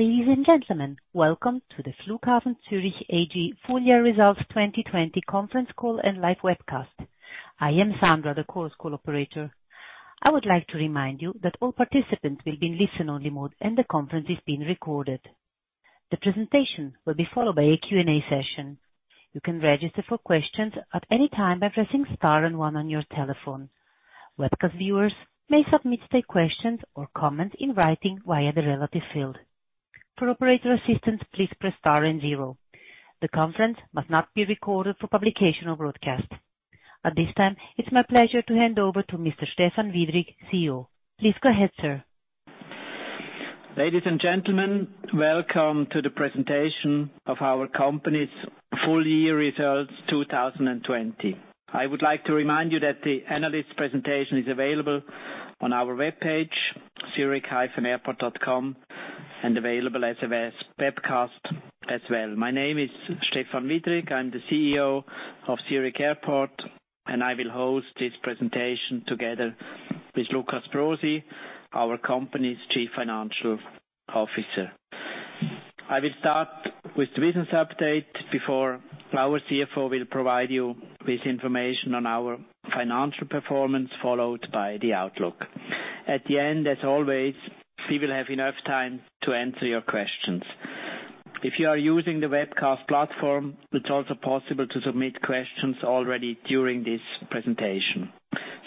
Ladies and gentlemen, welcome to the Flughafen Zürich AG Full Year Results 2020 Conference Call and live webcast. I am Sandra, the conference call operator. I would like to remind you that all participants will be in listen-only mode, and the conference is being recorded. The presentation will be followed by a Q&A session. You can register for questions at any time by pressing star and one on your telephone. Webcast viewers may submit their questions or comments in writing via the relevant field. For operator assistance, please press star and zero. The conference must not be recorded for publication or broadcast. At this time, it's my pleasure to hand over to Mr. Stephan Widrig, CEO. Please go ahead, sir. Ladies and gentlemen, welcome to the presentation of our company's full year results 2020. I would like to remind you that the analyst presentation is available on our webpage, zurich-airport.com, and available as a webcast as well. My name is Stephan Widrig. I'm the CEO of Zurich Airport, and I will host this presentation together with Lukas Brosi, our company's Chief Financial Officer. I will start with the business update before our CFO will provide you with information on our financial performance, followed by the outlook. At the end, as always, we will have enough time to answer your questions. If you are using the webcast platform, it's also possible to submit questions already during this presentation.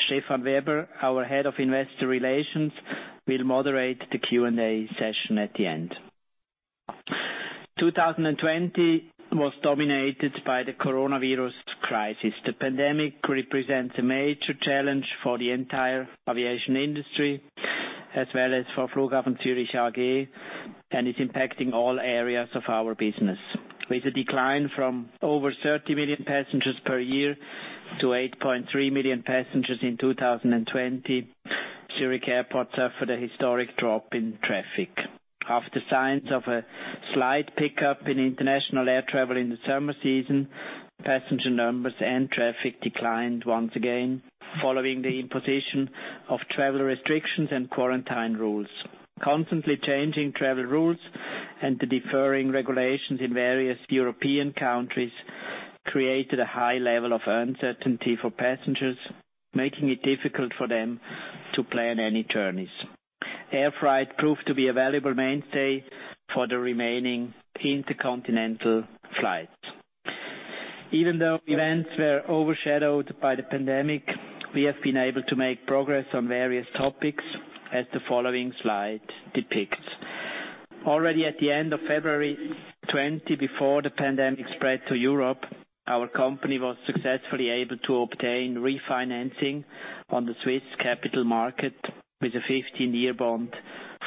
Stefan Weber, our Head of Investor Relations, will moderate the Q&A session at the end. 2020 was dominated by the coronavirus crisis. The pandemic represents a major challenge for the entire aviation industry, as well as for Flughafen Zürich AG, and is impacting all areas of our business. With a decline from over 30 million passengers per year to 8.3 million passengers in 2020, Zurich Airport suffered a historic drop in traffic. After signs of a slight pickup in international air travel in the summer season, passenger numbers and traffic declined once again, following the imposition of travel restrictions and quarantine rules. Constantly changing travel rules and the differing regulations in various European countries created a high level of uncertainty for passengers, making it difficult for them to plan any journeys. Airfreight proved to be a valuable mainstay for the remaining intercontinental flights. Even though events were overshadowed by the pandemic, we have been able to make progress on various topics, as the following slide depicts. Already at the end of February 2020, before the pandemic spread to Europe, our company was successfully able to obtain refinancing on the Swiss capital market with a 15-year bond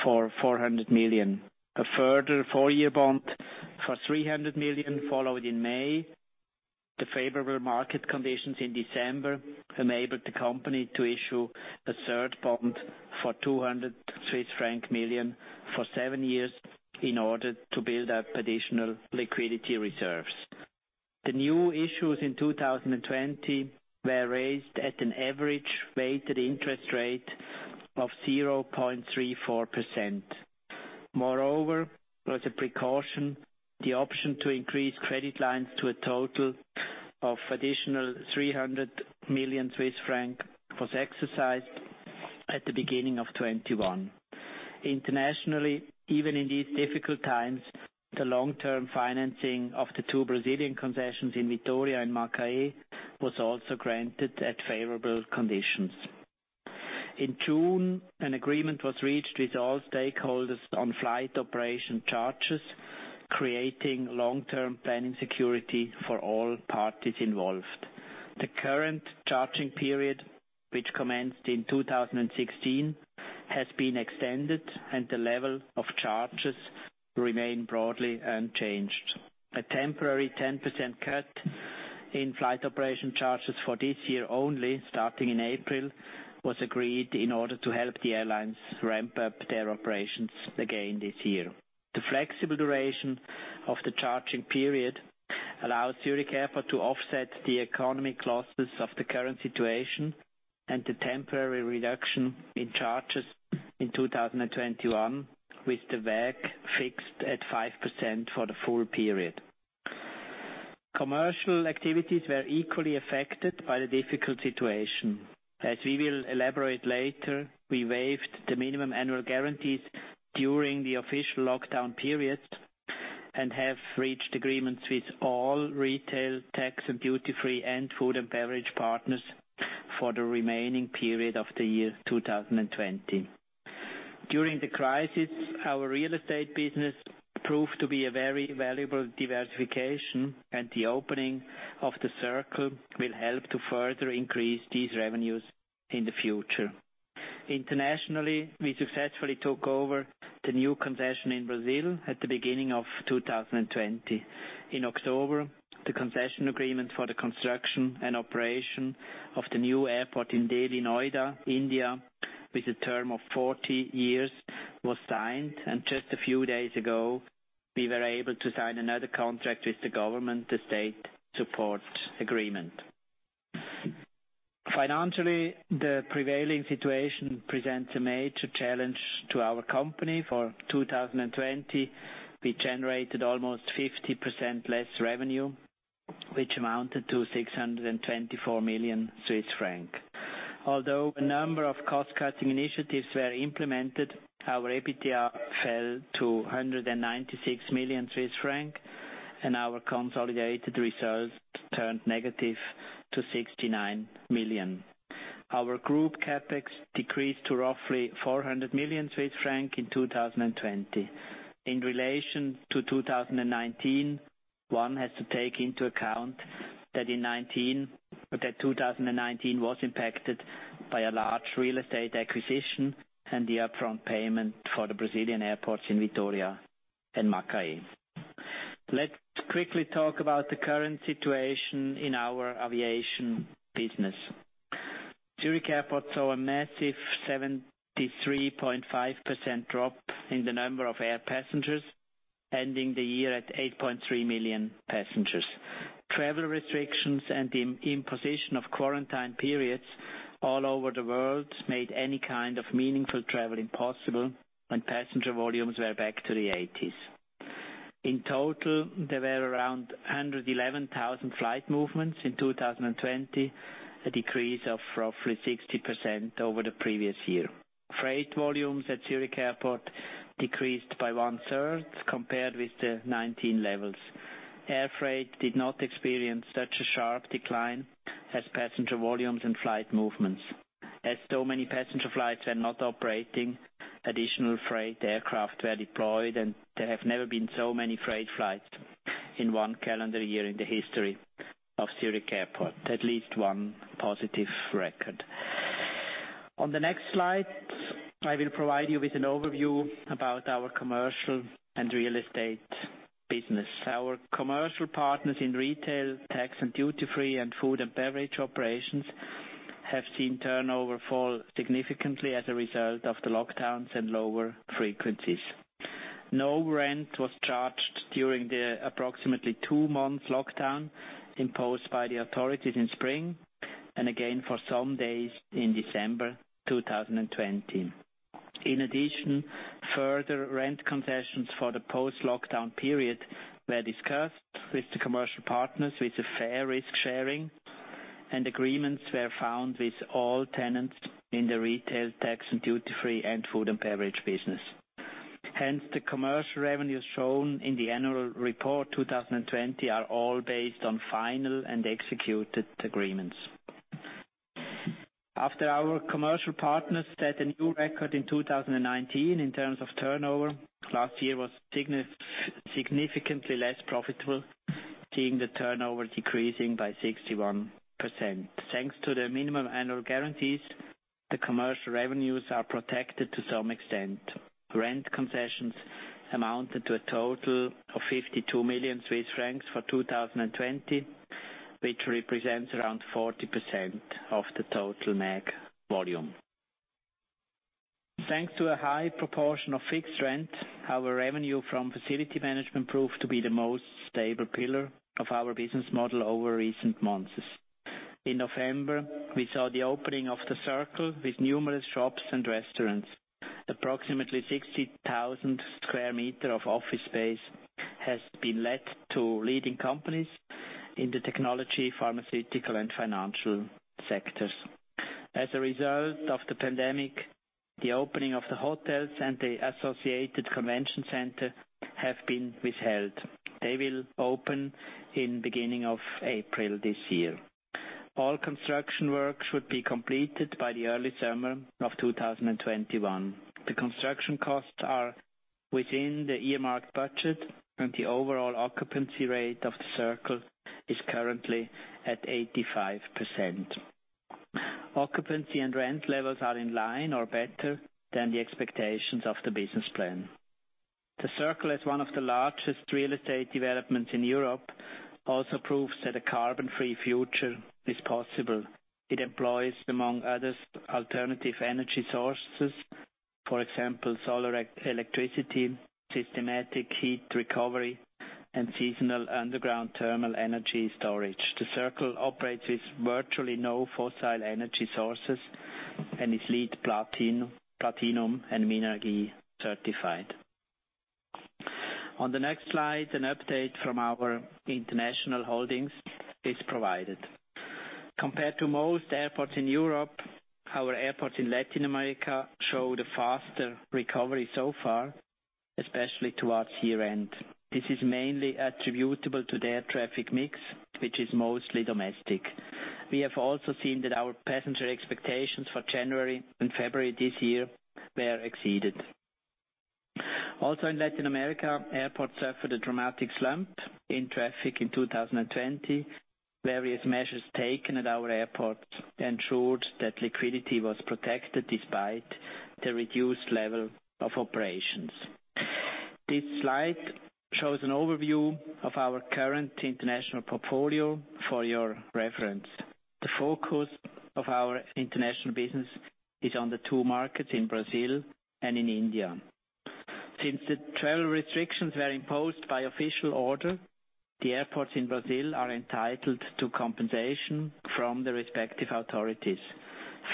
for 400 million. A further four-year bond for 300 million followed in May. The favorable market conditions in December enabled the company to issue a third bond for 200 million Swiss franc for seven years in order to build up additional liquidity reserves. The new issues in 2020 were raised at an average weighted interest rate of 0.34%. Moreover, as a precaution, the option to increase credit lines to a total of additional 300 million Swiss francs was exercised at the beginning of 2021. Internationally, even in these difficult times, the long-term financing of the two Brazilian concessions in Vitória and Macaé was also granted at favorable conditions. In June, an agreement was reached with all stakeholders on flight operation charges, creating long-term planning security for all parties involved. The current charging period, which commenced in 2016, has been extended, and the level of charges remain broadly unchanged. A temporary 10% cut in flight operation charges for this year only, starting in April, was agreed in order to help the airlines ramp up their operations again this year. The flexible duration of the charging period allows Zurich Airport to offset the economic losses of the current situation and the temporary reduction in charges in 2021 with the WACC fixed at 5% for the full period. Commercial activities were equally affected by the difficult situation. As we will elaborate later, we waived the minimum annual guarantees during the official lockdown periods and have reached agreements with all retail, tax, and duty-free, and food and beverage partners for the remaining period of the year 2020. During the crisis, our real estate business proved to be a very valuable diversification, and the opening of The Circle will help to further increase these revenues in the future. Internationally, we successfully took over the new concession in Brazil at the beginning of 2020. In October, the concession agreement for the construction and operation of the new airport in Delhi, Noida, India, with a term of 40 years, was signed, and just a few days ago, we were able to sign another contract with the government, the state support agreement. Financially, the prevailing situation presents a major challenge to our company. For 2020, we generated almost 50% less revenue, which amounted to 624 million Swiss francs. Although a number of cost cutting initiatives were implemented, our EBITDA fell to 196 million Swiss francs and our consolidated results turned negative to 69 million. Our group CapEx decreased to roughly 400 million Swiss francs in 2020. In relation to 2019, one has to take into account that in 2019 that 2019 was impacted by a large real estate acquisition and the up from payment for the Brazilian airports in Vitória and Macaé. Let's quickly talk about the current situation in our aviation business. Zurich Airport saw a massive 73.5% drop in the number of air passengers, ending the year at 8.3 million passengers. Travel restrictions and the imposition of quarantine periods all over the world made any kind of meaningful travel impossible and passenger volumes were back to the 80s. In total, there were around 111,000 flight movements in 2020, a decrease of roughly 60% over the previous year. Freight volumes at Zurich Airport decreased by 1/3 compared with the 2019 levels. Airfreight did not experience such sharp decline as passenger volumes and flight movements. As so many passenger flights were not operating, additional freight aircraft deployed and there have never been so many freight flights in one calendar year in the history of Zurich Airport, at least one positive record. On the next slide, I will provide you with an overview about our commercial and real estate business. Our commercial partners in retail, tax and duty free and food and beverage operations have seen turnover fall significantly as a result of the lockdowns and lower frequencies. No rent was charged during the approximately two months lockdown imposed by the authorities in spring and again for some days in December 2020. In addition, further rent concessions for the post lockdown period were discussed with the commercial partners, with the fair risk sharing and agreements were found with all tenants in the retail, tax and duty-free, and food and beverage business. Hence, the commercial revenues shown in the Annual Report 2020 are all based on final and executed agreements. After our commercial partners set a new record in 2019 in terms of turnover, last year was significantly less profitable, seeing the turnover decreasing by 61%. Thanks to the minimum annual guarantees, the commercial revenues are protected to some extent. Rent concessions amounted to a total of 52 million Swiss francs for 2020, which represents around 40% of the total MAG volume. Thanks to a high proportion of fixed rent, our revenue from facility management proved to be the most stable pillar of our business model over recent months. In November, we saw the opening of The Circle with numerous shops and restaurants, Approximately 60,000 square meter of office space has been led to leading companies in the technology, pharmaceutical and financial sectors. As a result of the pandemic, the opening of the hotels and the associated convention center have been withheld. They will open in beginning of April this year. All construction work should be completed by the early summer of 2021. The construction costs are within the earmarked budget and the overall occupancy rate of The Circle is currently at 85%. Occupancy and rent levels are in line or better than the expectations of the business plan. The Circle is one of the largest real estate developments in Europe also proves that a carbon free future is possible. It employs, among others, alternative energy sources, For example, solar electricity, systematic heat recovery and seasonal underground thermal energy storage. The Circle operates with virtually no fossil energy sources and is LEED Platinum and MINARGIE-certified. On the next slide, an update from our international holdings is provided. Compared to most airports in Europe, our airports in Latin America showed faster recovery so far, especially towards year end. This is mainly attributable to the air traffic mix, which is mostly domestic. We have also exceeded our passenger capacity for January and February this year, they're exceeded. Also in Latin America, airports suffered a dramatic slump in traffic in 2020. Various measures taken at our airport ensured that liquidity was protected despite the reduced level of operations. This slide shows an overview of our current international portfolio for your reference. The focus of our international business is on the two markets in Brazil and in India. Since the travel restrictions were imposed by official order, the airports in Brazil are entitled to compensation from the respective authorities.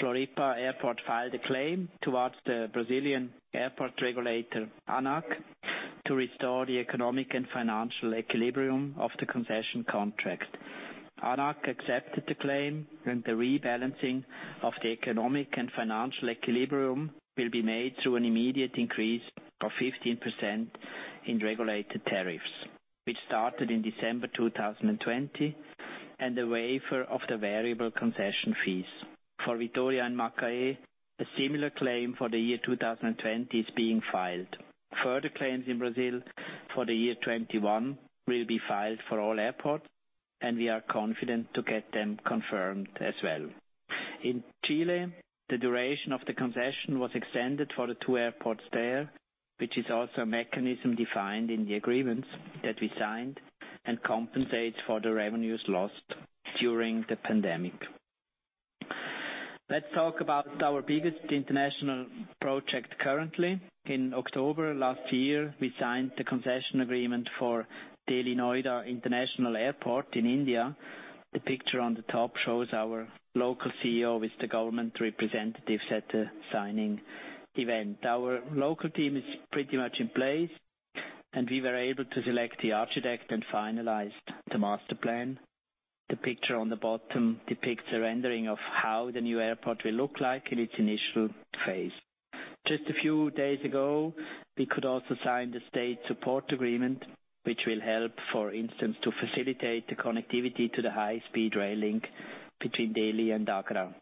Floripa Airport filed a claim towards the Brazilian airport regulator, ANAC, to restore the economic and financial equilibrium of the concession contract. ANAC accepted the claim, and the rebalancing of the economic and financial equilibrium will be made through an immediate increase of 15% in regulated tariffs, which started in December 2020, and the waiver of the variable concession fees. For Vitória and Macaé, a similar claim for the year 2020 is being filed. Further claims in Brazil for the year 2021 will be filed for all airports, and we are confident to get them confirmed as well. In Chile, the duration of the concession was extended for the two airports there, which is also a mechanism defined in the agreements that we signed and compensates for the revenues lost during the pandemic. Let's talk about our biggest international project currently. In October last year, we signed the concession agreement for Delhi Noida International Airport in India. The picture on the top shows our local CEO with the government representatives at the signing event. Our local team is pretty much in place, and we were able to select the architect and finalized the master plan. The picture on the bottom depicts a rendering of how the new airport will look like in its initial phase. Just a few days ago, we could also sign the state support agreement, which will help, for instance, to facilitate the connectivity to the high-speed rail link between Delhi and Agra.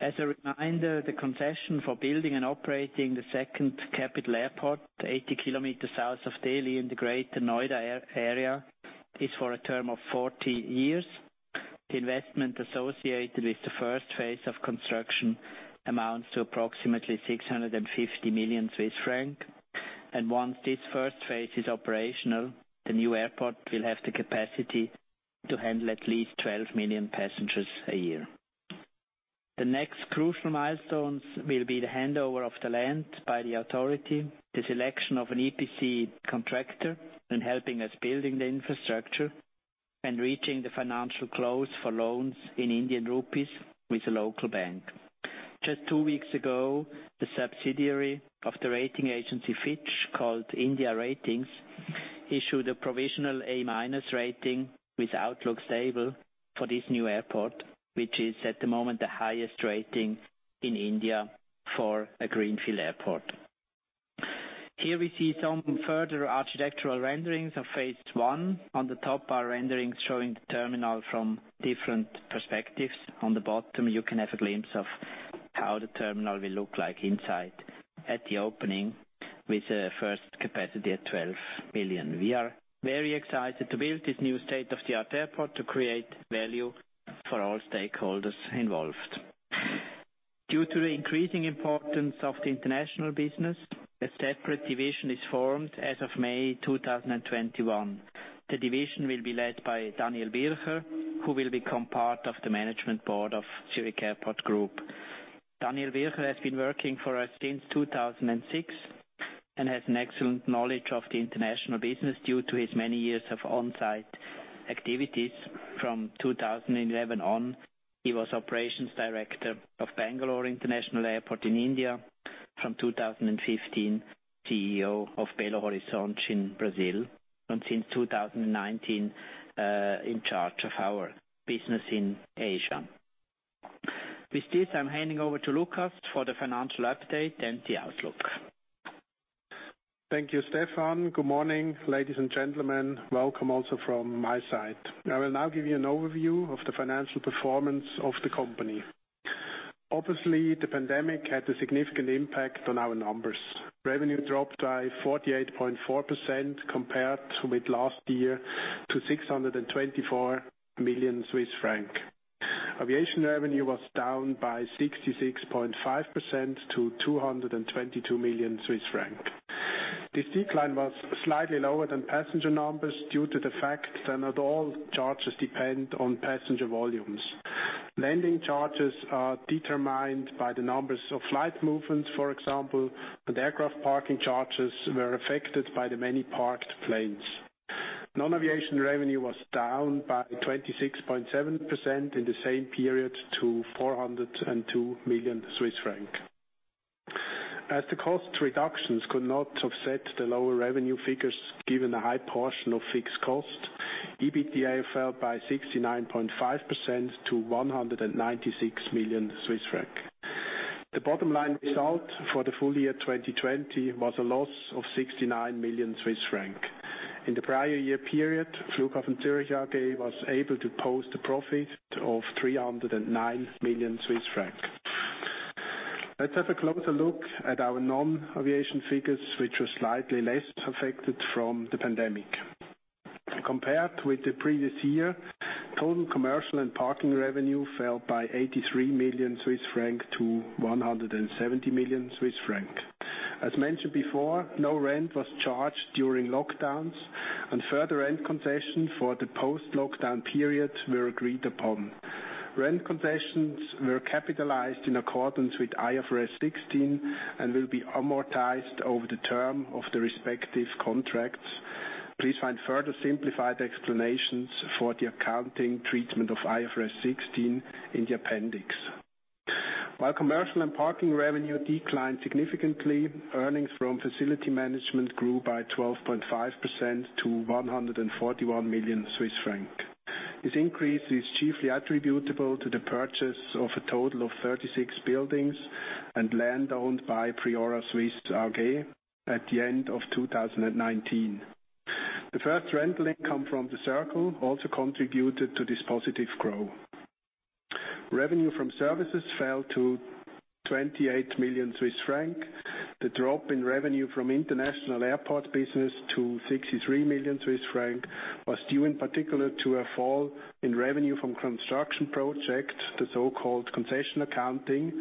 As a reminder, the concession for building and operating the second capital airport, 80 kilometers south of Delhi in the Greater Noida area, is for a term of 40 years. The investment associated with the first phase of construction amounts to approximately 650 million Swiss francs. Once this first phase is operational, the new airport will have the capacity to handle at least 12 million passengers a year. The next crucial milestones will be the handover of the land by the authority, the selection of an EPC contractor, and helping us building the infrastructure and reaching the financial close for loans in Indian rupees with a local bank. Just two weeks ago, the subsidiary of the rating agency Fitch, called India Ratings, issued a provisional A- rating with outlook stable for this new airport, which is at the moment the highest rating in India for a greenfield airport. Here we see some further architectural renderings of phase I. On the top are renderings showing the terminal from different perspectives. On the bottom, you can have a glimpse of how the terminal will look like inside at the opening with the first capacity at 12 million a year. We are very excited to build this new state-of-the-art airport to create value for all stakeholders involved. Due to the increasing importance of the international business, a separate division is formed as of May 2021. The division will be led by Daniel Bircher, who will become part of the Management Board of Zurich Airport Group. Daniel Bircher has been working for us since 2006 and has an excellent knowledge of the international business due to his many years of on-site activities. From 2011 on, he was Operations Director of Bangalore International Airport in India, from 2015, CEO of Belo Horizonte in Brazil, and since 2019, in charge of our business in Asia. With this, I'm handing over to Lukas for the financial update and the outlook. Thank you, Stephan. Good morning, ladies and gentlemen. Welcome also from my side. I will now give you an overview of the financial performance of the company. Obviously, the pandemic had a significant impact on our numbers. Revenue dropped by 48.4% compared to mid last year to 624 million Swiss francs. Aviation revenue was down by 66.5% to 222 million Swiss francs. This decline was slightly lower than passenger numbers due to the fact that not all charges depend on passenger volumes. Landing charges are determined by the numbers of flight movements, for example, and aircraft parking charges were affected by the many parked planes. Non-aviation revenue was down by 26.7% in the same period to 402 million Swiss francs. As the cost reductions could not offset the lower revenue figures given the high portion of fixed cost, EBITDA fell by 69.5% to 196 million Swiss francs. The bottom line result for the full year 2020 was a loss of 69 million Swiss francs. In the prior year period, Flughafen Zürich AG was able to post a profit of 309 million Swiss francs. Let's have a closer look at our non-aviation figures, which were slightly less affected from the pandemic. Compared with the previous year, total commercial and parking revenue fell by 83 million Swiss franc to 170 million Swiss franc. As mentioned before, no rent was charged during lockdowns, and further rent concessions for the post-lockdown periods were agreed upon. Rent concessions were capitalized in accordance with IFRS 16 and will be amortized over the term of the respective contracts. Please find further simplified explanations for the accounting treatment of IFRS 16 in the appendix. While commercial and parking revenue declined significantly, earnings from facility management grew by 12.5% to 141 million Swiss francs. This increase is chiefly attributable to the purchase of a total of 36 buildings and land owned by Priora Suisse AG at the end of 2019. The first rental income from The Circle also contributed to this positive growth. Revenue from services fell to 28 million Swiss franc. The drop in revenue from international airport business to 63 million Swiss franc was due in particular to a fall in revenue from construction projects, the so-called concession accounting,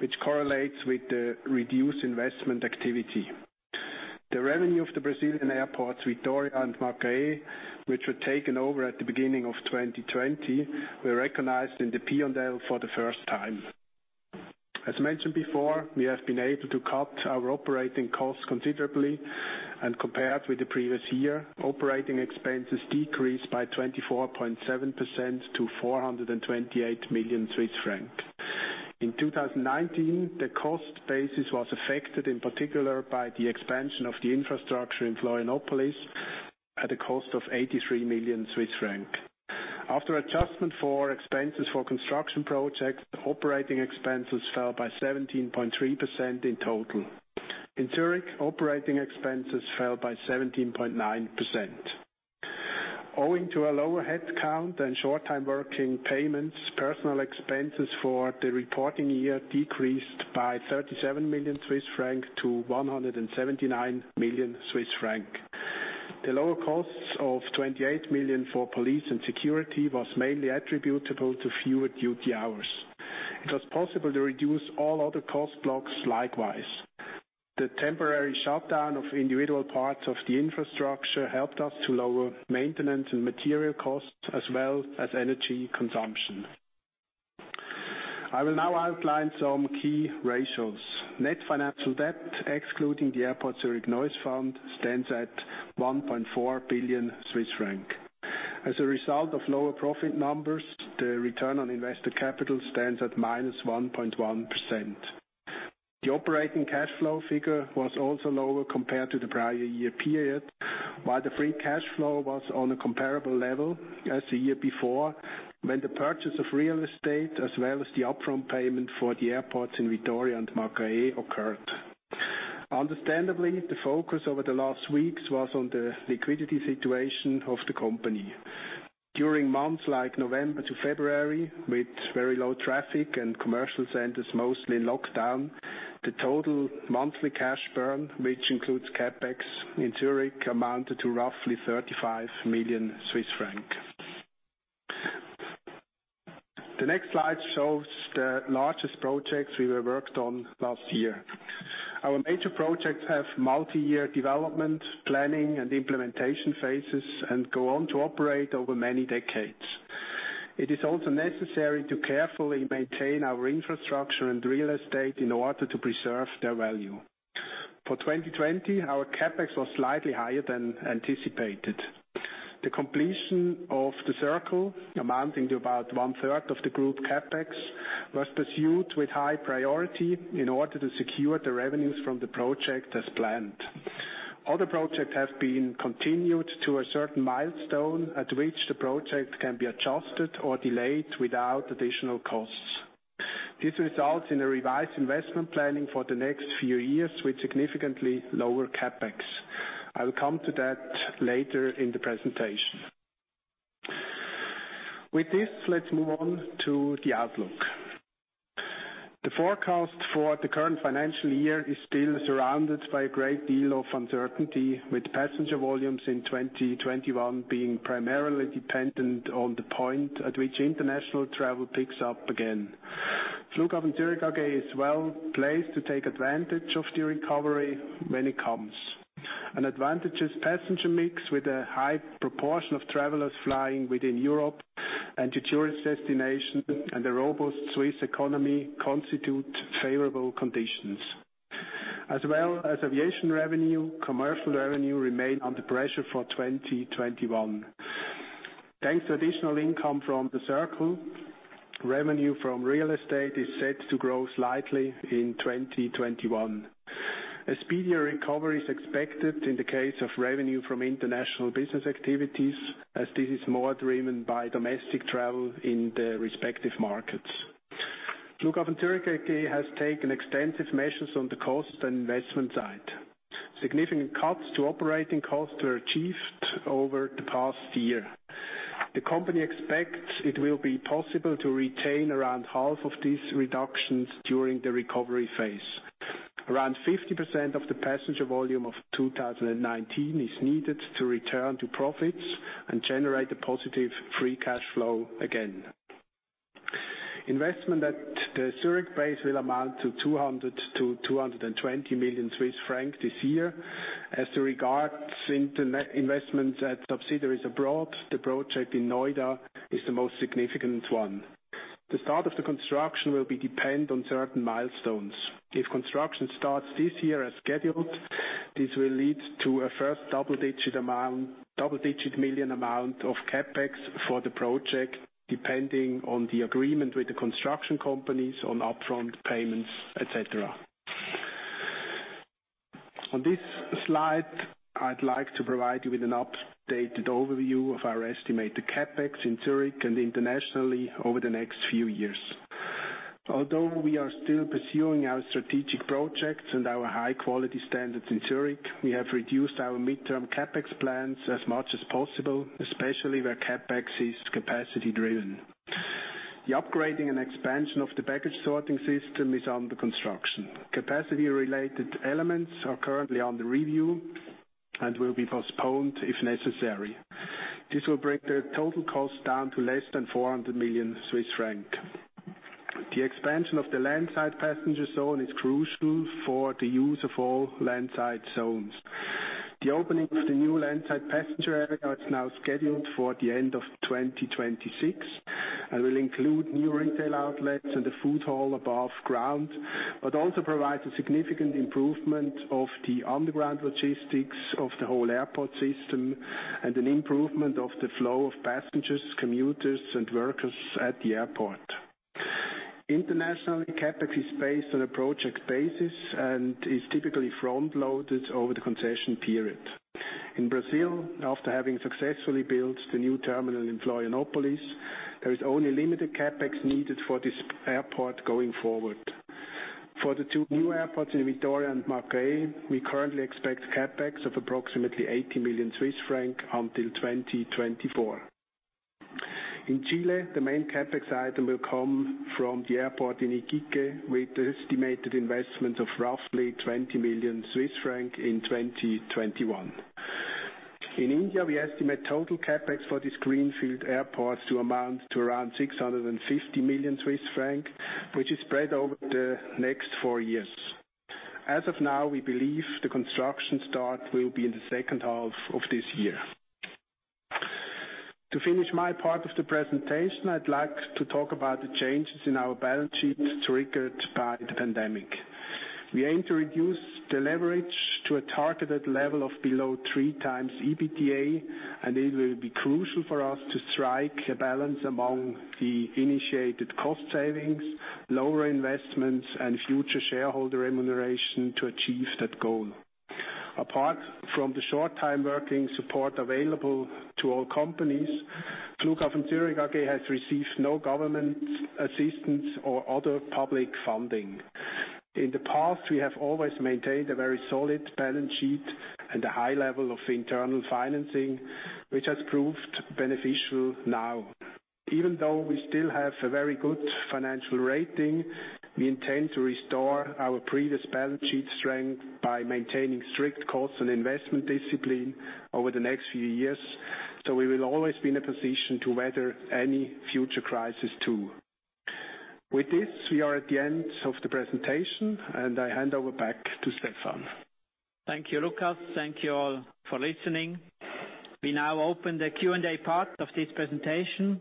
which correlates with the reduced investment activity. The revenue of the Brazilian airports, Vitória and Macaé, which were taken over at the beginning of 2020, were recognized in the P&L for the first time. As mentioned before, we have been able to cut our operating costs considerably, and compared with the previous year, operating expenses decreased by 24.7% to 428 million Swiss francs. In 2019, the cost basis was affected in particular by the expansion of the infrastructure in Florianópolis at a cost of 83 million Swiss francs. After adjustment for expenses for construction projects, operating expenses fell by 17.3% in total. In Zurich, operating expenses fell by 17.9%. Owing to a lower headcount and short-time working payments, personal expenses for the reporting year decreased by 37 million Swiss franc to 179 million Swiss franc. The lower costs of 28 million for police and security was mainly attributable to fewer duty hours. It was possible to reduce all other cost blocks likewise. The temporary shutdown of individual parts of the infrastructure helped us to lower maintenance and material costs, as well as energy consumption. I will now outline some key ratios. Net financial debt, excluding the Airport Zurich Noise Fund, stands at 1.4 billion Swiss franc. As a result of lower profit numbers, the return on invested capital stands at -1.1%. The operating cash flow figure was also lower compared to the prior year period, while the free cash flow was on a comparable level as the year before, when the purchase of real estate as well as the upfront payment for the airports in Vitória and Macaé occurred. Understandably, the focus over the last weeks was on the liquidity situation of the company. During months like November to February, with very low traffic and commercial centers mostly locked down, the total monthly cash burn, which includes CapEx in Zurich, amounted to roughly 35 million Swiss francs. The next slide shows the largest projects we have worked on last year. Our major projects have multi-year development, planning, and implementation phases and go on to operate over many decades. It is also necessary to carefully maintain our infrastructure and real estate in order to preserve their value. For 2020, our CapEx was slightly higher than anticipated. The completion of The Circle, amounting to about 1/3 of the group CapEx, was pursued with high priority in order to secure the revenues from the project as planned. Other projects have been continued to a certain milestone at which the project can be adjusted or delayed without additional costs. This results in a revised investment planning for the next few years with significantly lower CapEx. I will come to that later in the presentation. With this, let's move on to the outlook. The forecast for the current financial year is still surrounded by a great deal of uncertainty, with passenger volumes in 2021 being primarily dependent on the point at which international travel picks up again. Flughafen Zürich AG is well placed to take advantage of the recovery when it comes. An advantageous passenger mix with a high proportion of travelers flying within Europe and to tourist destinations, and a robust Swiss economy constitute favorable conditions. As well as aviation revenue, commercial revenue remained under pressure for 2021. Thanks to additional income from The Circle, revenue from real estate is set to grow slightly in 2021. A speedier recovery is expected in the case of revenue from international business activities, as this is more driven by domestic travel in the respective markets. Flughafen Zürich AG has taken extensive measures on the cost and investment side. Significant cuts to operating costs were achieved over the past year. The company expects it will be possible to retain around half of these reductions during the recovery phase. Around 50% of the passenger volume of 2019 is needed to return to profits and generate a positive free cash flow again. Investment at the Zurich base will amount to 200 million-220 million Swiss francs this year. Regarding the net investments at subsidiaries abroad, the project in Noida is the most significant one. The start of the construction will be dependent on certain milestones. If construction starts this year as scheduled, this will lead to a first double-digit million amount of CapEx for the project, depending on the agreement with the construction companies on upfront payments, et cetera. On this slide, I'd like to provide you with an updated overview of our estimated CapEx in Zurich and internationally over the next few years. Although we are still pursuing our strategic projects and our high-quality standards in Zurich, we have reduced our midterm CapEx plans as much as possible, especially where CapEx is capacity driven. The upgrading and expansion of the baggage sorting system is under construction. Capacity related elements are currently under review and will be postponed if necessary. This will bring the total cost down to less than 400 million Swiss francs. The expansion of the landside passenger zone is crucial for the use of all landside zones. The opening of the new landside passenger area is now scheduled for the end of 2026 and will include new retail outlets and a food hall above ground, but also provides a significant improvement of the underground logistics of the whole airport system and an improvement of the flow of passengers, commuters, and workers at the airport. International CapEx is based on a project basis and is typically front-loaded over the concession period. In Brazil, after having successfully built the new terminal in Florianópolis, there is only limited CapEx needed for this airport going forward. For the two new airports in Vitória and Macaé, we currently expect CapEx of approximately 80 million Swiss franc until 2024. In Chile, the main CapEx item will come from the airport in Iquique, with estimated investment of roughly 20 million Swiss francs in 2021. In India, we estimate total CapEx for these greenfield airports to amount to around 650 million Swiss francs, which is spread over the next four years. As of now, we believe the construction start will be in the second half of this year. To finish my part of the presentation, I'd like to talk about the changes in our balance sheet triggered by the pandemic. We aim to reduce the leverage to a targeted level of below three times EBITDA. It will be crucial for us to strike a balance among the initiated cost savings, lower investments, and future shareholder remuneration to achieve that goal. Apart from the short time working support available to all companies, Flughafen Zürich AG has received no government assistance or other public funding. In the past, we have always maintained a very solid balance sheet and a high level of internal financing, which has proved beneficial now. Even though we still have a very good financial rating, we intend to restore our previous balance sheet strength by maintaining strict cost and investment discipline over the next few years. We will always be in a position to weather any future crisis, too. With this, we are at the end of the presentation. I hand over back to Stephan. Thank you, Lukas. Thank you all for listening. We now open the Q&A part of this presentation.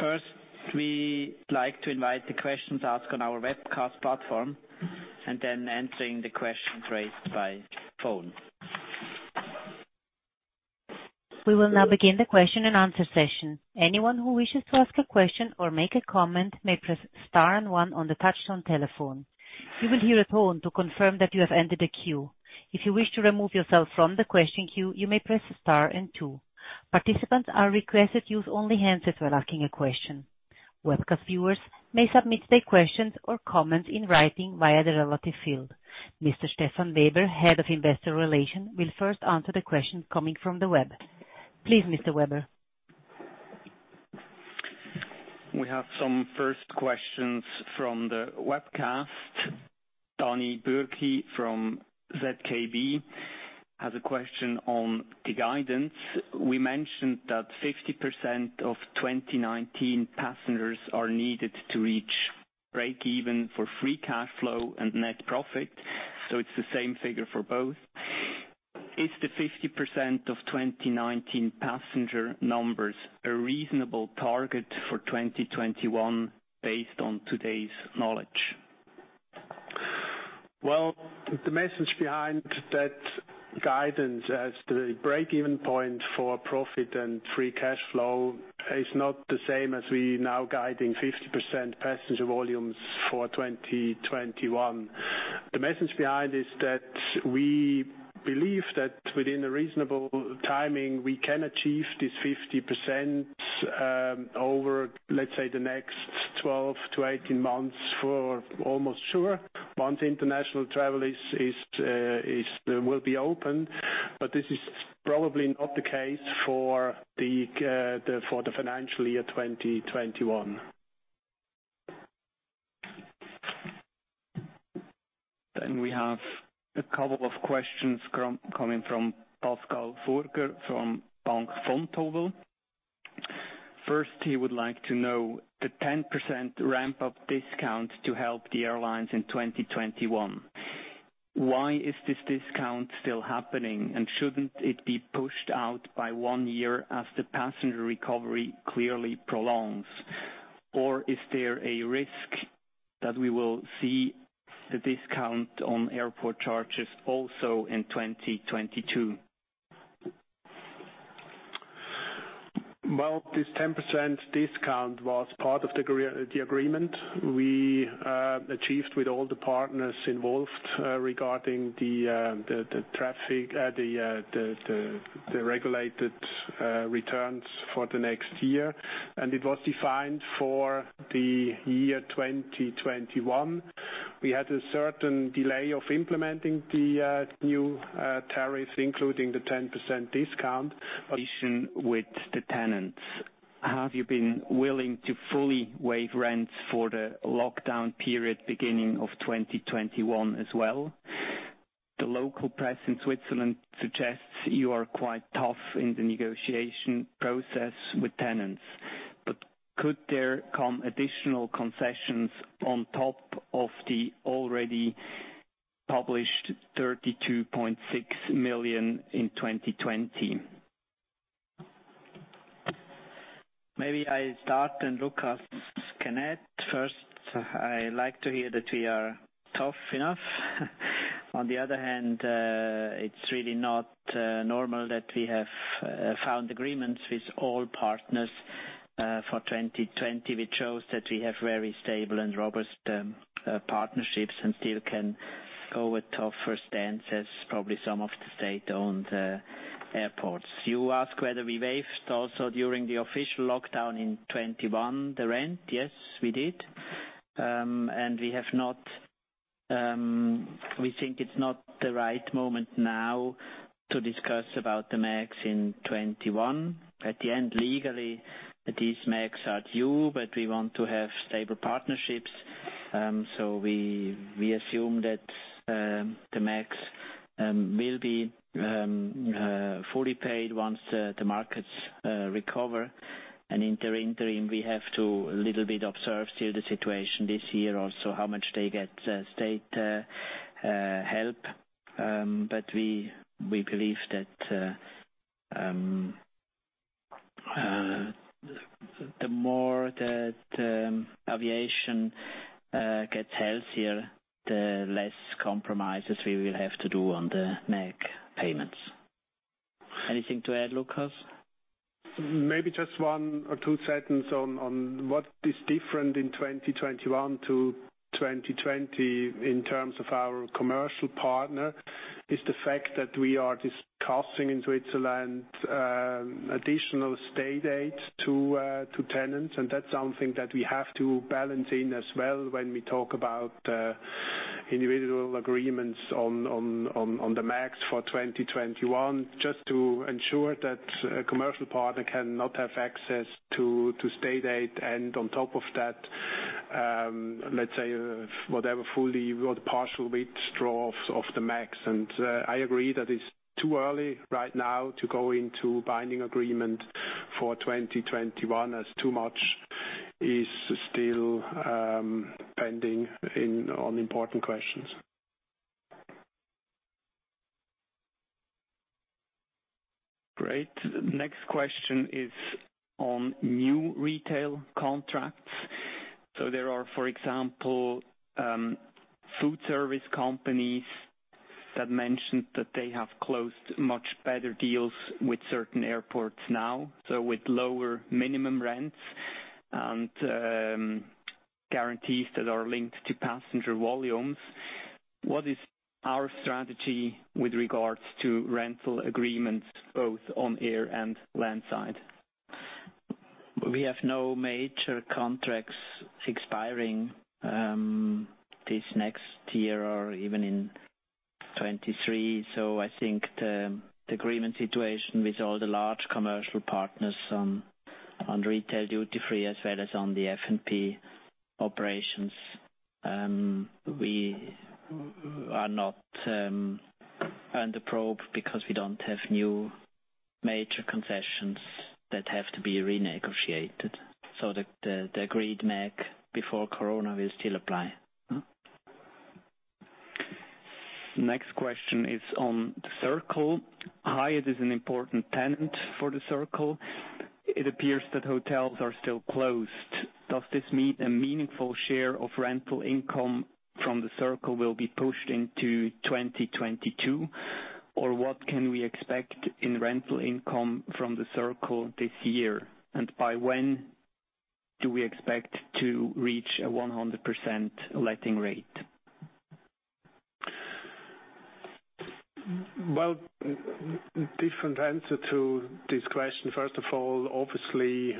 First, we like to invite the questions asked on our webcast platform, and then answering the questions raised by phone. Mr. Stefan Weber, Head of Investor Relations, will first answer the question coming from the web. Please, Mr. Weber. We have some first questions from the webcast. Daniel Bürki from ZKB has a question on the guidance. We mentioned that 50% of 2019 passengers are needed to reach break even for free cash flow and net profit. It's the same figure for both. Is the 50% of 2019 passenger numbers a reasonable target for 2021 based on today's knowledge? Well, the message behind that guidance as the break-even point for profit and free cash flow is not the same as we now guiding 50% passenger volumes for 2021. The message behind is that we believe that within a reasonable timing, we can achieve this 50% over, let's say, the next 12-18 months for almost sure once international travel will be open. This is probably not the case for the financial year 2021. We have a couple of questions coming from Pascal Bürki from Bank Vontobel. First, he would like to know the 10% ramp-up discount to help the airlines in 2021. Why is this discount still happening, and shouldn't it be pushed out by one year as the passenger recovery clearly prolongs? Is there a risk that we will see the discount on airport charges also in 2022? Well, this 10% discount was part of the agreement we achieved with all the partners involved regarding the regulated returns for the next year. It was defined for the year 2021. We had a certain delay of implementing the new tariff, including the 10% discount. With the tenants, have you been willing to fully waive rents for the lockdown period beginning of 2021 as well? The local press in Switzerland suggests you are quite tough in the negotiation process with tenants, but could there come additional concessions on top of the already published CHF 32.6 million in 2020? Maybe I start and Lukas can add. First, I like to hear that we are tough enough. On the other hand, it's really not normal that we have found agreements with all partners for 2020, which shows that we have very stable and robust partnerships and still can go with tougher stands as probably some of the state-owned airports. You ask whether we waived also during the official lockdown in 2021, the rent. Yes, we did. We think it's not the right moment now to discuss about the MAGs in 2021. At the end, legally, these MAGs are due, but we want to have stable partnerships. We assume that the MAGs will be fully paid once the markets recover, and in the interim, we have to a little bit observe still the situation this year also how much they get state help. We believe that the more that aviation gets healthier, the less compromises we will have to do on the MAG payments. Anything to add, Lukas? Maybe just one or two sentences on what is different in 2021 to 2020 in terms of our commercial partner is the fact that we are discussing in Switzerland additional state aid to tenants. That's something that we have to balance in as well when we talk about individual agreements on the MAGs for 2021. Just to ensure that a commercial partner cannot have access to state aid and on top of that, let's say, whatever fully or partial withdraw of the MAGs. I agree that it's too early right now to go into binding agreement for 2021 as too much is still pending on important questions. Great. Next question is on new retail contracts. There are, for example, food service companies that mentioned that they have closed much better deals with certain airports now. With lower minimum rents and guarantees that are linked to passenger volumes. What is our strategy with regards to rental agreements both on air and land side? We have no major contracts expiring this next year or even in 2023. I think the agreement situation with all the large commercial partners on retail duty-free as well as on the F&B operations, we are not under probe because we don't have new major concessions that have to be renegotiated. The agreed MAG before corona will still apply. Next question is on The Circle. Hyatt is an important tenant for The Circle. It appears that hotels are still closed. Does this mean a meaningful share of rental income from The Circle will be pushed into 2022, or what can we expect in rental income from The Circle this year? By when do we expect to reach a 100% letting rate? Well, different answer to this question, first of all, obviously,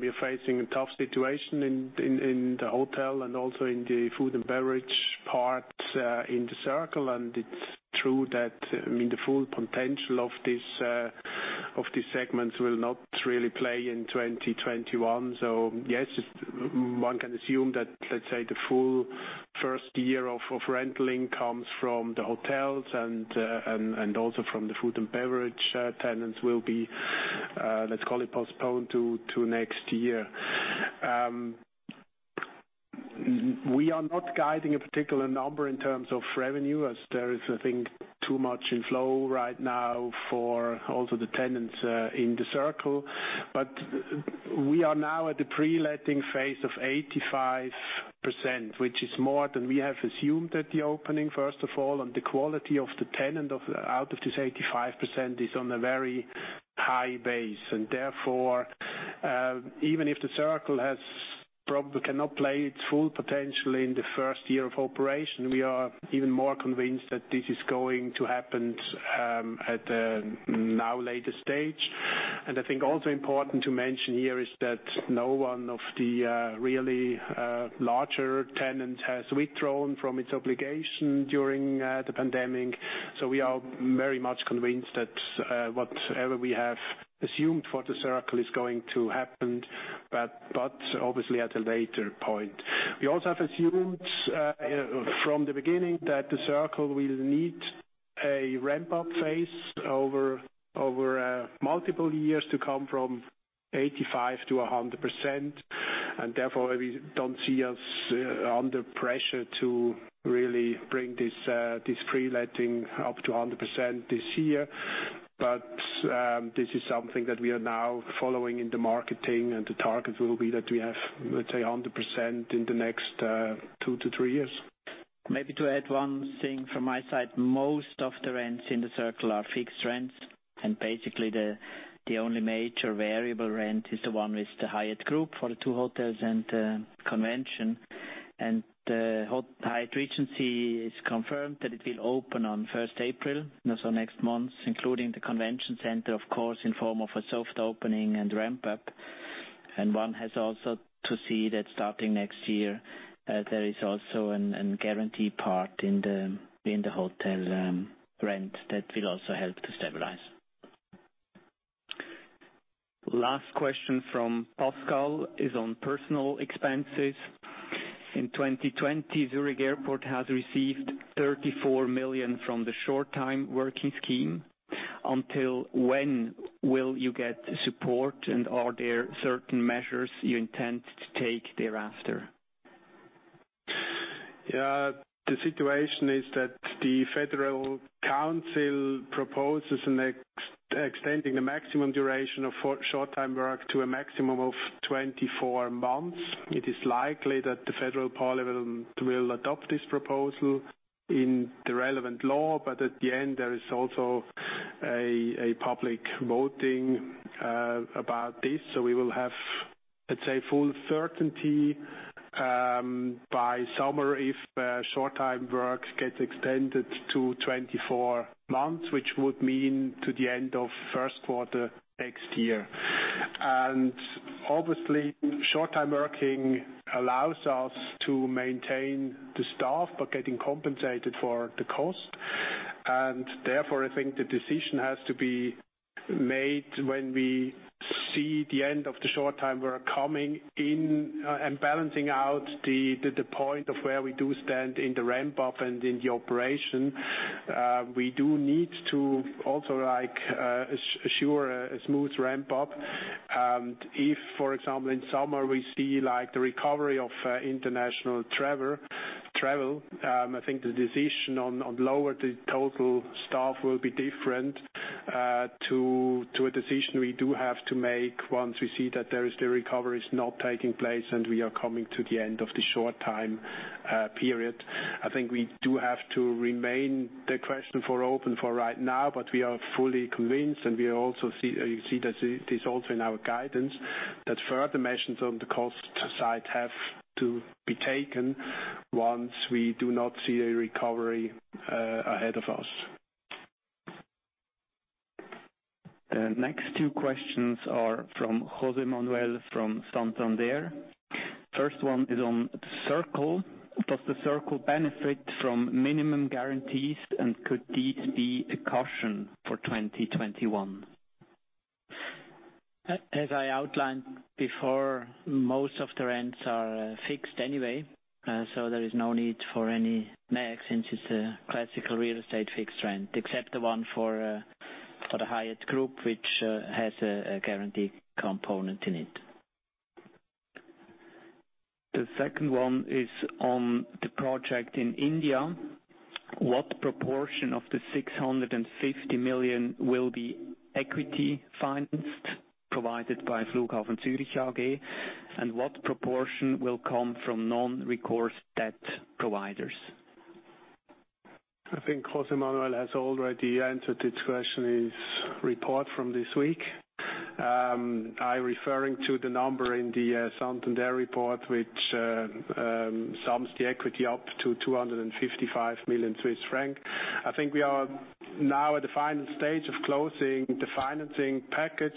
we are facing a tough situation in the hotel and also in the food and beverage part in The Circle. It's true that the full potential of these segments will not really play in 2021. Yes, one can assume that, let's say the full first year of rental incomes from the hotels and also from the food and beverage tenants will be, let's call it, postponed to next year. We are not guiding a particular number in terms of revenue as there is, I think, too much in flow right now for also the tenants in The Circle. We are now at the pre-letting phase of 85%, which is more than we have assumed at the opening, first of all. The quality of the tenant out of this 85% is on a very high base. Therefore, even if The Circle probably cannot play its full potential in the first year of operation, we are even more convinced that this is going to happen at a now later stage. I think also important to mention here is that no one of the really larger tenants has withdrawn from its obligation during the pandemic. We are very much convinced that whatever we have assumed for The Circle is going to happen, but obviously at a later point. We also have assumed from the beginning that The Circle will need a ramp-up phase over multiple years to come from 85%-100%, and therefore we don't see us under pressure to really bring this pre-letting up to 100% this year. This is something that we are now following in the marketing, and the target will be that we have, let's say, 100% in the next two to three years. Maybe to add one thing from my side, most of the rents in The Circle are fixed rents, basically the only major variable rent is the one with the Hyatt group for the two hotels and convention. Hyatt Regency is confirmed that it will open on 1st April, and so next month, including the convention center, of course, in form of a soft opening and ramp up. One has also to see that starting next year, there is also a guarantee part in the hotel rent that will also help to stabilize. Last question from Pascal is on personal expenses. In 2020, Zurich Airport has received 34 million from the short-time working scheme. Until when will you get support, and are there certain measures you intend to take thereafter? Yeah. The situation is that the Federal Council proposes extending the maximum duration of short-time work to a maximum of 24 months. It is likely that the federal parliament will adopt this proposal in the relevant law, at the end, there is also a public voting about this. We will have, let's say, full certainty by summer if short-time work gets extended to 24 months, which would mean to the end of first quarter next year. Obviously, short-time working allows us to maintain the staff by getting compensated for the cost. Therefore, I think the decision has to be made when we see the end of the short-time work coming in and balancing out the point of where we do stand in the ramp-up and in the operation. We do need to also assure a smooth ramp-up. If, for example, in summer we see the recovery of international travel, I think the decision on lower the total staff will be different to a decision we do have to make once we see that the recovery is not taking place and we are coming to the end of the short-time period. I think we do have to remain the question for open for right now, but we are fully convinced, and you see this also in our guidance, that further measures on the cost side have to be taken once we do not see a recovery ahead of us. The next two questions are from José Manuel from Santander. First one is on The Circle. Does The Circle benefit from minimum guarantees, and could this be a caution for 2021? As I outlined before, most of the rents are fixed anyway, so there is no need for any MAG since it's a classical real estate fixed rent, except the one for the Hyatt Group, which has a guarantee component in it. The second one is on the project in India. What proportion of the 650 million will be equity financed provided by Flughafen Zürich AG, and what proportion will come from non-recourse debt providers? I think José Manuel has already answered this question in his report from this week. I'm referring to the number in the Santander report, which sums the equity up to 255 million Swiss francs. I think we are now at the final stage of closing the financing package,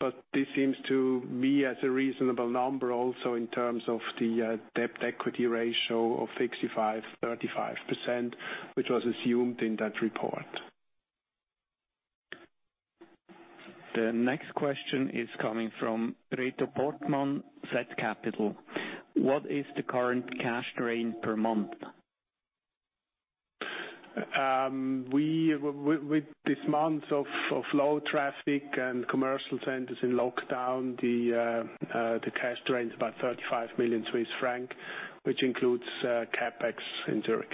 but this seems to me as a reasonable number also in terms of the debt-to-equity ratio of 65%/35%, which was assumed in that report. The next question is coming from Reto Portmann, zCapital. What is the current cash drain per month? With this month of low traffic and commercial centers in lockdown, the cash drain is about 35 million Swiss francs, which includes CapEx in Zurich.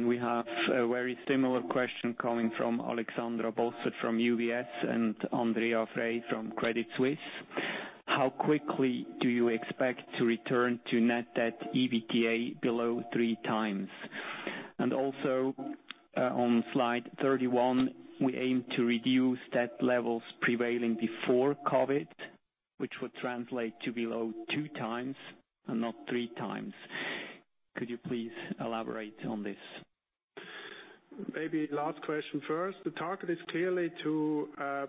We have a very similar question coming from Alexandra Bossard from UBS and Andrea Frey from Credit Suisse. How quickly do you expect to return to net debt EBITDA below three times? Also on slide 31, we aim to reduce debt levels prevailing before COVID, which would translate to below two times and not three times. Could you please elaborate on this? Maybe last question first. The target is clearly to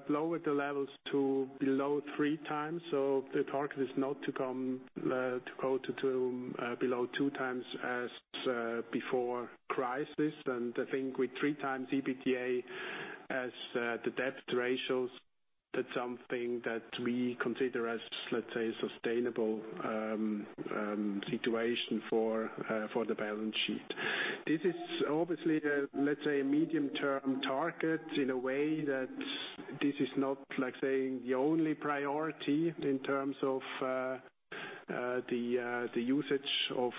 lower the levels to below three times. The target is not to go to below two times as before crisis. I think with three times EBITDA as the debt ratios, that's something that we consider as, let's say, sustainable situation for the balance sheet. This is obviously, let's say, a medium term target in a way that this is not the only priority in terms of the usage of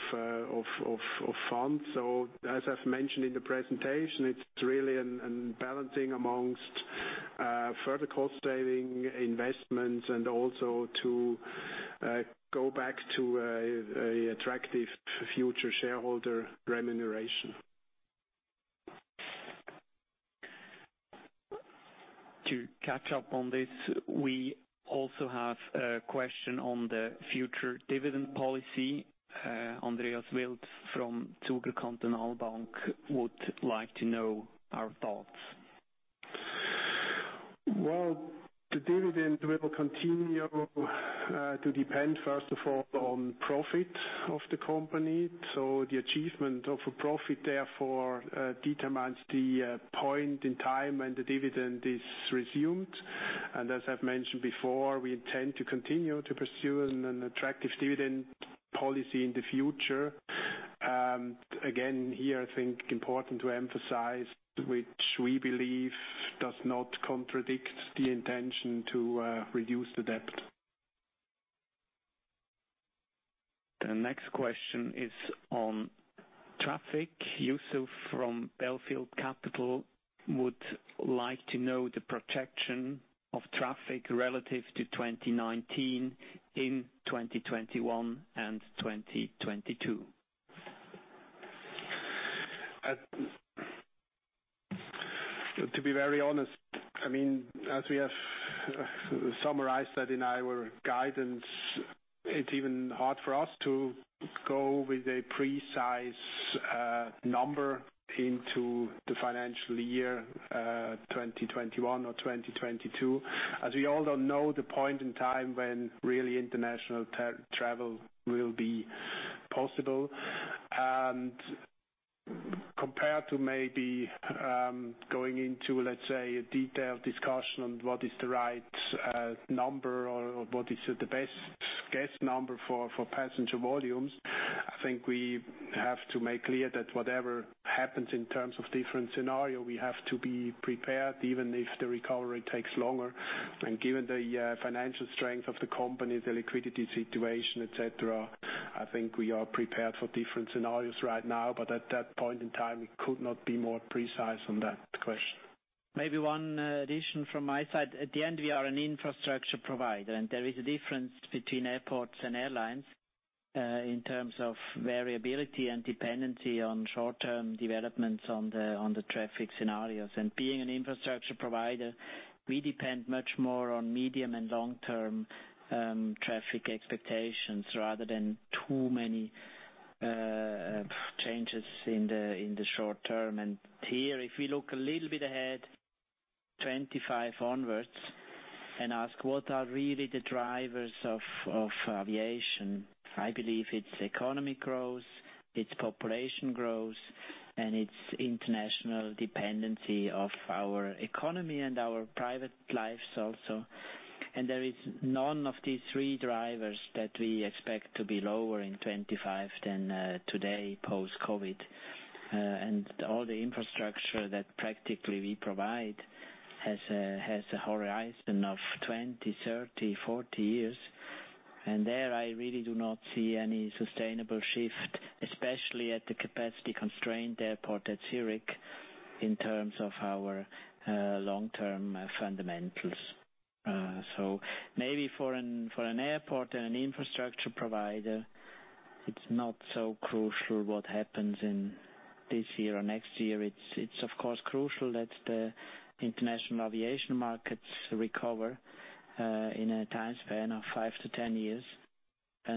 funds. As I've mentioned in the presentation, it's really a balancing amongst further cost saving investments and also to go back to attractive future shareholder remuneration. To catch up on this, we also have a question on the future dividend policy. Andreas Wild from Zuger Kantonalbank would like to know our thoughts. Well, the dividend will continue to depend, first of all, on profit of the company. The achievement of a profit, therefore, determines the point in time when the dividend is resumed. As I've mentioned before, we intend to continue to pursue an attractive dividend policy in the future. Again, here, I think important to emphasize, which we believe does not contradict the intention to reduce the debt. The next question is on traffic. Yusuf from Belfield Capital would like to know the projection of traffic relative to 2019 in 2021 and 2022. To be very honest, as we have summarized that in our guidance, it's even hard for us to go with a precise number into the financial year 2021 or 2022, as we all don't know the point in time when really international travel will be possible. Compared to maybe going into, let's say, a detailed discussion on what is the right number or what is the best guess number for passenger volumes, I think we have to make clear that whatever happens in terms of different scenario, we have to be prepared, even if the recovery takes longer. Given the financial strength of the company, the liquidity situation, et cetera, I think we are prepared for different scenarios right now, but at that point in time, we could not be more precise on that question. Maybe one addition from my side. At the end, we are an infrastructure provider. There is a difference between airports and airlines in terms of variability and dependency on short-term developments on the traffic scenarios. Being an infrastructure provider, we depend much more on medium and long-term traffic expectations rather than too many changes in the short term. Here, if we look a little bit ahead, 2025 onwards, and ask what are really the drivers of aviation, I believe it's economy growth, it's population growth, and it's international dependency of our economy and our private lives also. There is none of these three drivers that we expect to be lower in 2025 than today post-COVID. All the infrastructure that practically we provide has a horizon of 20, 30, 40 years. There I really do not see any sustainable shift, especially at the capacity-constrained airport at Zurich in terms of our long-term fundamentals. Maybe for an airport and an infrastructure provider, it's not so crucial what happens in this year or next year. It's of course crucial that the international aviation markets recover in a time span of 5-10 years.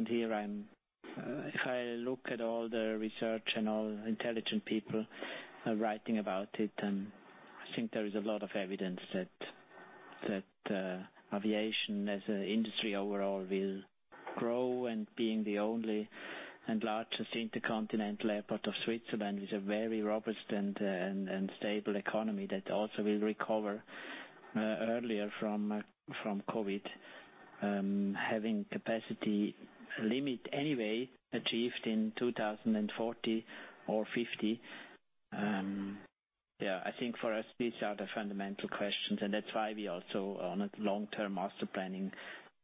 Here, if I look at all the research and all the intelligent people writing about it, then I think there is a lot of evidence that aviation as an industry overall will grow and being the only and largest intercontinental airport of Switzerland is a very robust and stable economy that also will recover earlier from COVID, having capacity limit anyway achieved in 2040 or 2050. I think for us, these are the fundamental questions and that's why we also on a long-term master planning,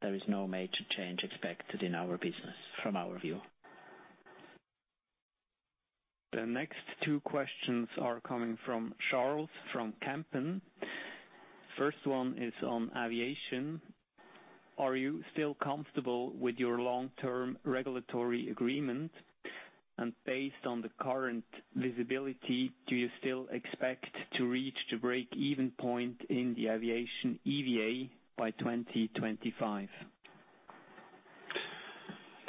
there is no major change expected in our business from our view. The next two questions are coming from Charles from Kempen. First one is on aviation. Are you still comfortable with your long-term regulatory agreement? Based on the current visibility, do you still expect to reach the break-even point in the aviation EVA by 2025?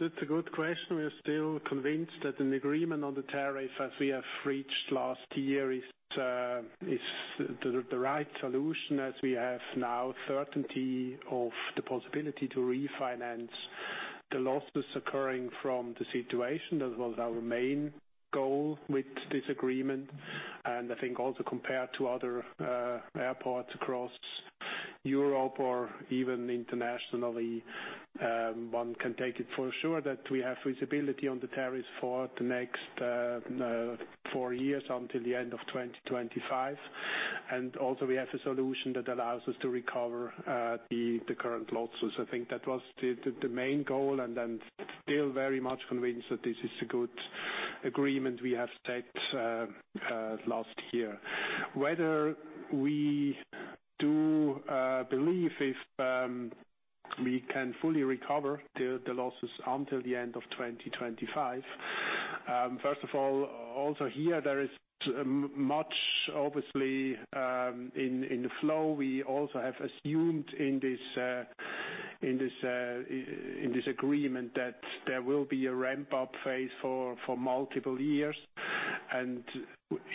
That's a good question. We are still convinced that an agreement on the tariff as we have reached last year is the right solution as we have now certainty of the possibility to refinance the losses occurring from the situation. That was our main goal with this agreement. I think also compared to other airports across Europe or even internationally, one can take it for sure that we have visibility on the tariffs for the next four years until the end of 2025. Also we have a solution that allows us to recover the current losses. I think that was the main goal and I'm still very much convinced that this is a good agreement we have set last year. Whether we do believe if we can fully recover the losses until the end of 2025. First of all, also here there is much obviously in flow. We also have assumed in this agreement that there will be a ramp-up phase for multiple years and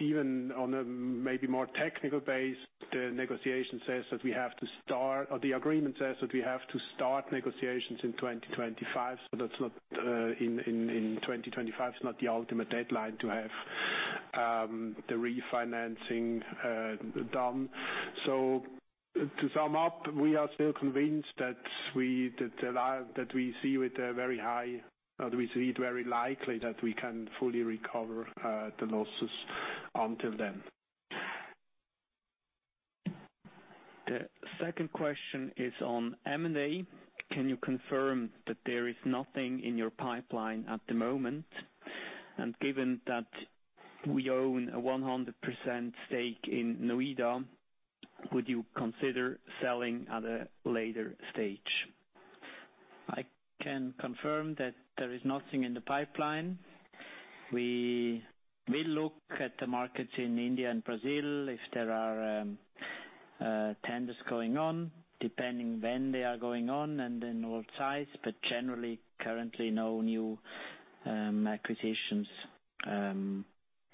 even on a maybe more technical base, the negotiation says that we have to start, or the agreement says that we have to start negotiations in 2025, so in 2025 is not the ultimate deadline to have the refinancing done. To sum up, we are still convinced that we see it very likely that we can fully recover the losses until then. The second question is on M&A. Can you confirm that there is nothing in your pipeline at the moment? Given that we own a 100% stake in Noida, would you consider selling at a later stage? I can confirm that there is nothing in the pipeline. We look at the markets in India and Brazil if there are tenders going on, depending when they are going on and then what size. Generally, currently no new acquisitions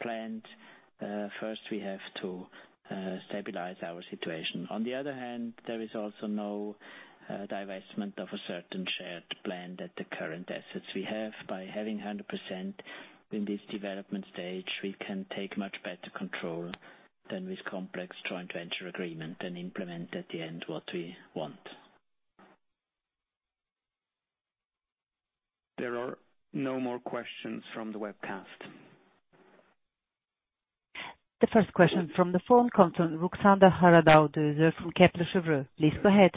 planned. First, we have to stabilize our situation. On the other hand, there is also no divestment of a certain shared plan that the current assets we have. By having 100% in this development stage, we can take much better control than with complex joint venture agreement and implement at the end what we want. There are no more questions from the webcast. The first question from the phone comes from Ruxandra Haradau-Döser from Kepler Cheuvreux. Please go ahead.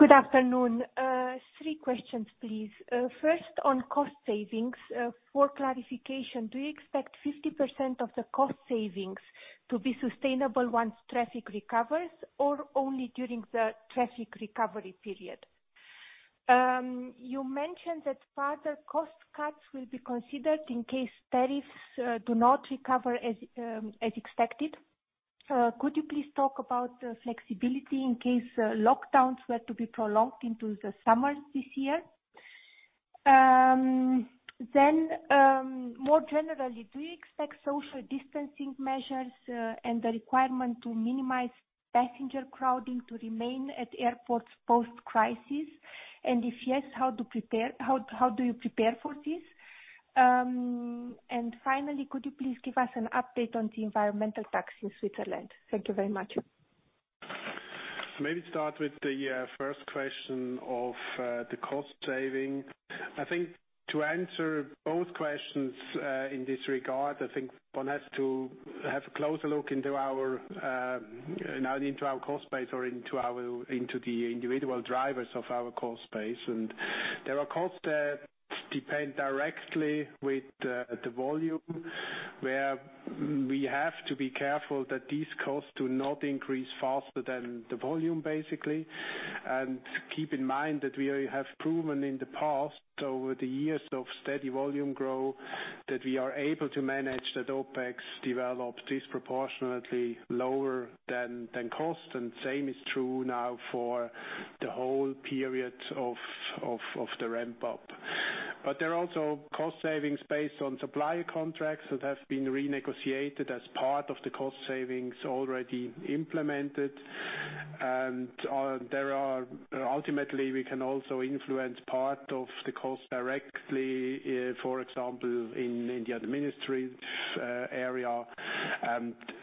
Good afternoon. Three questions, please. First on cost savings. For clarification, do you expect 50% of the cost savings to be sustainable once traffic recovers or only during the traffic recovery period? You mentioned that further cost cuts will be considered in case tariffs do not recover as expected. Could you please talk about flexibility in case lockdowns were to be prolonged into the summer this year? More generally, do you expect social distancing measures and the requirement to minimize passenger crowding to remain at airports post-crisis? If yes, how do you prepare for this? Finally, could you please give us an update on the environmental tax in Switzerland? Thank you very much. Maybe start with the first question of the cost saving. I think to answer both questions in this regard, I think one has to have a closer look into our cost base or into the individual drivers of our cost base. There are costs that depend directly with the volume, where we have to be careful that these costs do not increase faster than the volume, basically. Keep in mind that we have proven in the past, over the years of steady volume growth, that we are able to manage that OpEx develop disproportionately lower than cost. Same is true now for the whole period of the ramp up. There are also cost savings based on supplier contracts that have been renegotiated as part of the cost savings already implemented, and ultimately, we can also influence part of the cost directly, for example, in India, the administrative area.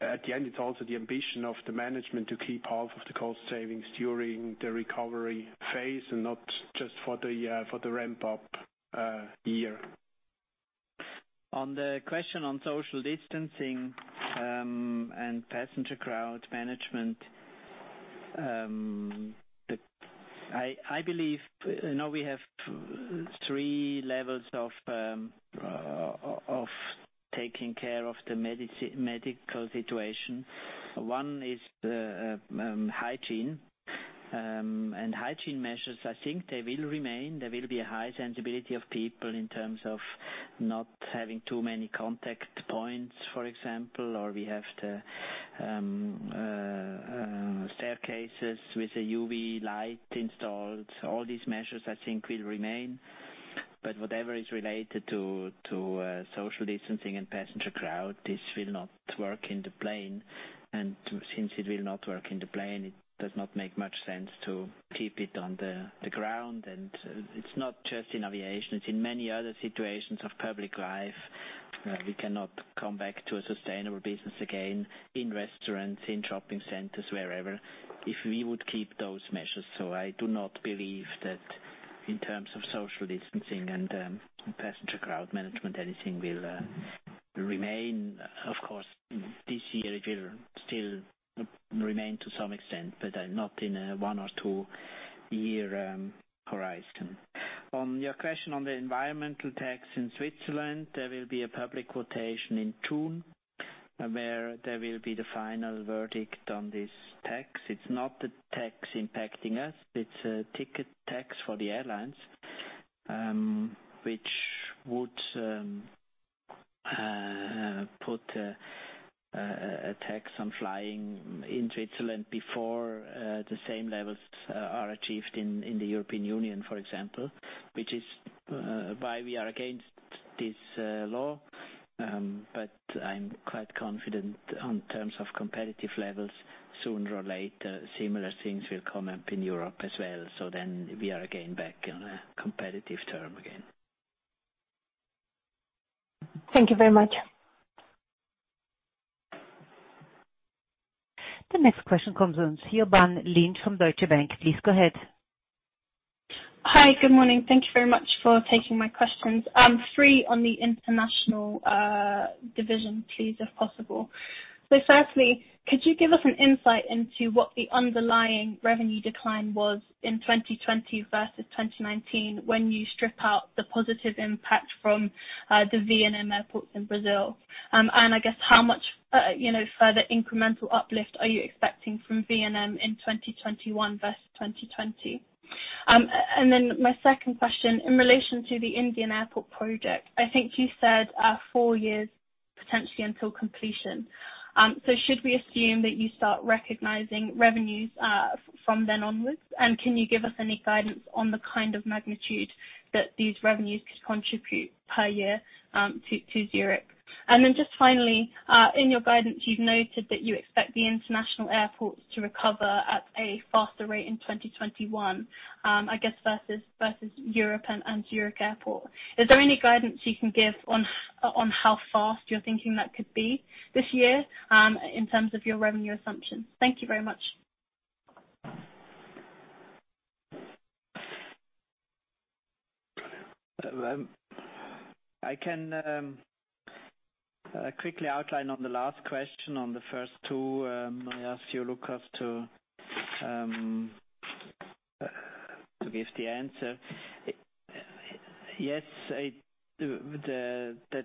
At the end, it's also the ambition of the management to keep half of the cost savings during the recovery phase and not just for the ramp-up year. On the question on social distancing and passenger crowd management, I believe now we have three levels of taking care of the medical situation. One is the hygiene. Hygiene measures, I think they will remain. There will be a high sensibility of people in terms of not having too many contact points, for example, or we have the staircases with a UV light installed. All these measures, I think, will remain, but whatever is related to social distancing and passenger crowd, this will not work in the plane. Since it will not work in the plane, it does not make much sense to keep it on the ground. It's not just in aviation, it's in many other situations of public life. We cannot come back to a sustainable business again in restaurants, in shopping centers, wherever, if we would keep those measures. I do not believe that in terms of social distancing and passenger crowd management, anything will remain. Of course, this year it will still remain to some extent, but not in a one or two year horizon. On your question on the environmental tax in Switzerland, there will be a public quotation in June, where there will be the final verdict on this tax. It's not a tax impacting us. It's a ticket tax for the airlines, which would put a tax on flying in Switzerland before the same levels are achieved in the European Union, for example, which is why we are against this law. I'm quite confident on terms of competitive levels, sooner or later, similar things will come up in Europe as well. We are again back on a competitive term again. Thank you very much. The next question comes in Siobhan Lynch from Deutsche Bank. Please go ahead. Hi. Good morning. Thank you very much for taking my questions. Three on the international division, please, if possible. Firstly, could you give us an insight into what the underlying revenue decline was in 2020 versus 2019 when you strip out the positive impact from the V&M airports in Brazil? I guess how much further incremental uplift are you expecting from V&M in 2021 versus 2020? My second question, in relation to the Indian airport project, I think you said four years potentially until completion. Should we assume that you start recognizing revenues from then onwards? Can you give us any guidance on the kind of magnitude that these revenues could contribute per year to Zurich? Just finally, in your guidance, you've noted that you expect the international airports to recover at a faster rate in 2021, I guess, versus Europe and Zurich Airport. Is there any guidance you can give on how fast you're thinking that could be this year in terms of your revenue assumptions? Thank you very much. I can quickly outline on the last question. On the first two, I ask you, Lukas, to give the answer.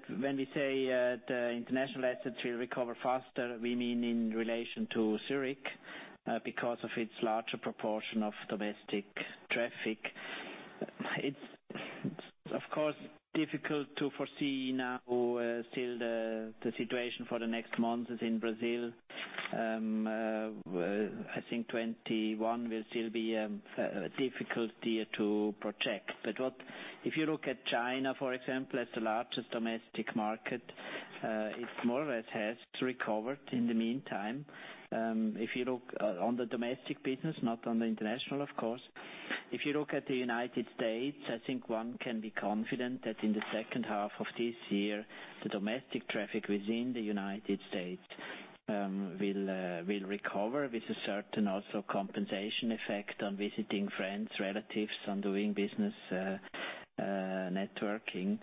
When we say the international assets will recover faster, we mean in relation to Zurich because of its larger proportion of domestic traffic. It's, of course, difficult to foresee now still the situation for the next months in Brazil. I think 2021 will still be a difficult year to project. If you look at China, for example, as the largest domestic market, it more or less has recovered in the meantime, if you look on the domestic business, not on the international, of course. If you look at the United States, I think one can be confident that in the second half of this year, the domestic traffic within the United States will recover with a certain also compensation effect on visiting friends, relatives, on doing business networking.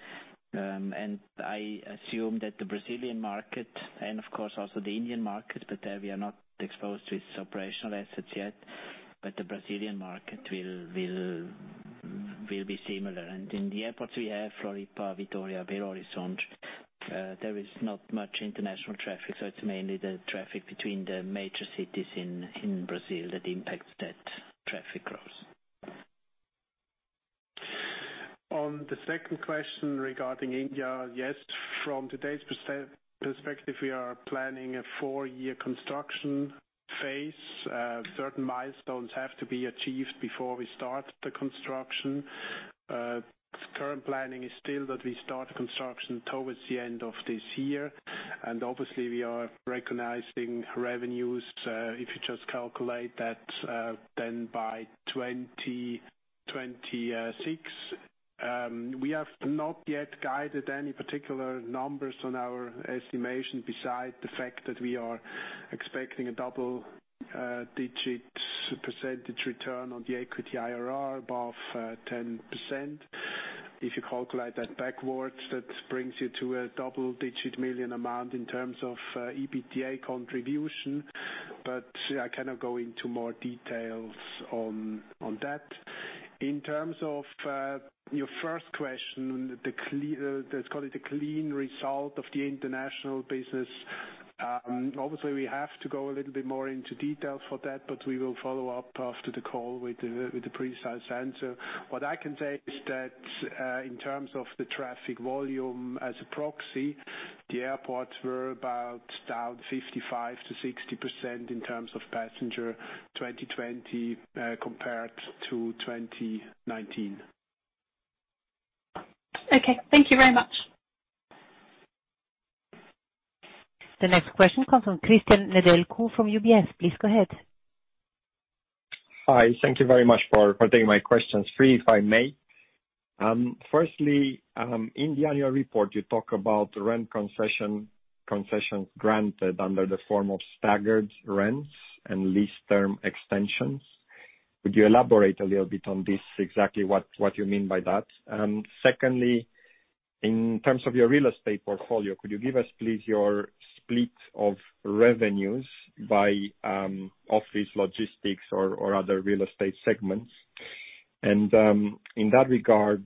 I assume that the Brazilian market and, of course, also the Indian market, but there we are not exposed to its operational assets yet. The Brazilian market will be similar. In the airports we have, Floripa, Vitória, Belo Horizonte, there is not much international traffic. It's mainly the traffic between the major cities in Brazil that impacts that traffic growth. On the second question regarding India, yes. From today's perspective, we are planning a four-year construction phase. Certain milestones have to be achieved before we start the construction. Current planning is still that we start construction towards the end of this year, and obviously we are recognizing revenues. If you just calculate that then by 2026. We have not yet guided any particular numbers on our estimation, besides the fact that we are expecting a double-digit percentage return on the equity IRR above 10%. If you calculate that backwards, that brings you to a double-digit million amount in terms of EBITDA contribution. I cannot go into more details on that. In terms of your first question, let's call it the clean result of the international business. Obviously, we have to go a little bit more into detail for that, but we will follow up after the call with a precise answer. What I can say is that, in terms of the traffic volume as a proxy, the airports were about down 55%-60% in terms of passenger 2020 compared to 2019. Okay. Thank you very much. The next question comes from Cristian Nedelcu from UBS. Please go ahead. Hi. Thank you very much for taking my questions. Three, if I may. In the annual report, you talk about rent concession granted under the form of staggered rents and lease term extensions. Would you elaborate a little bit on this, exactly what you mean by that? In terms of your real estate portfolio, could you give us, please, your split of revenues by office logistics or other real estate segments? In that regard,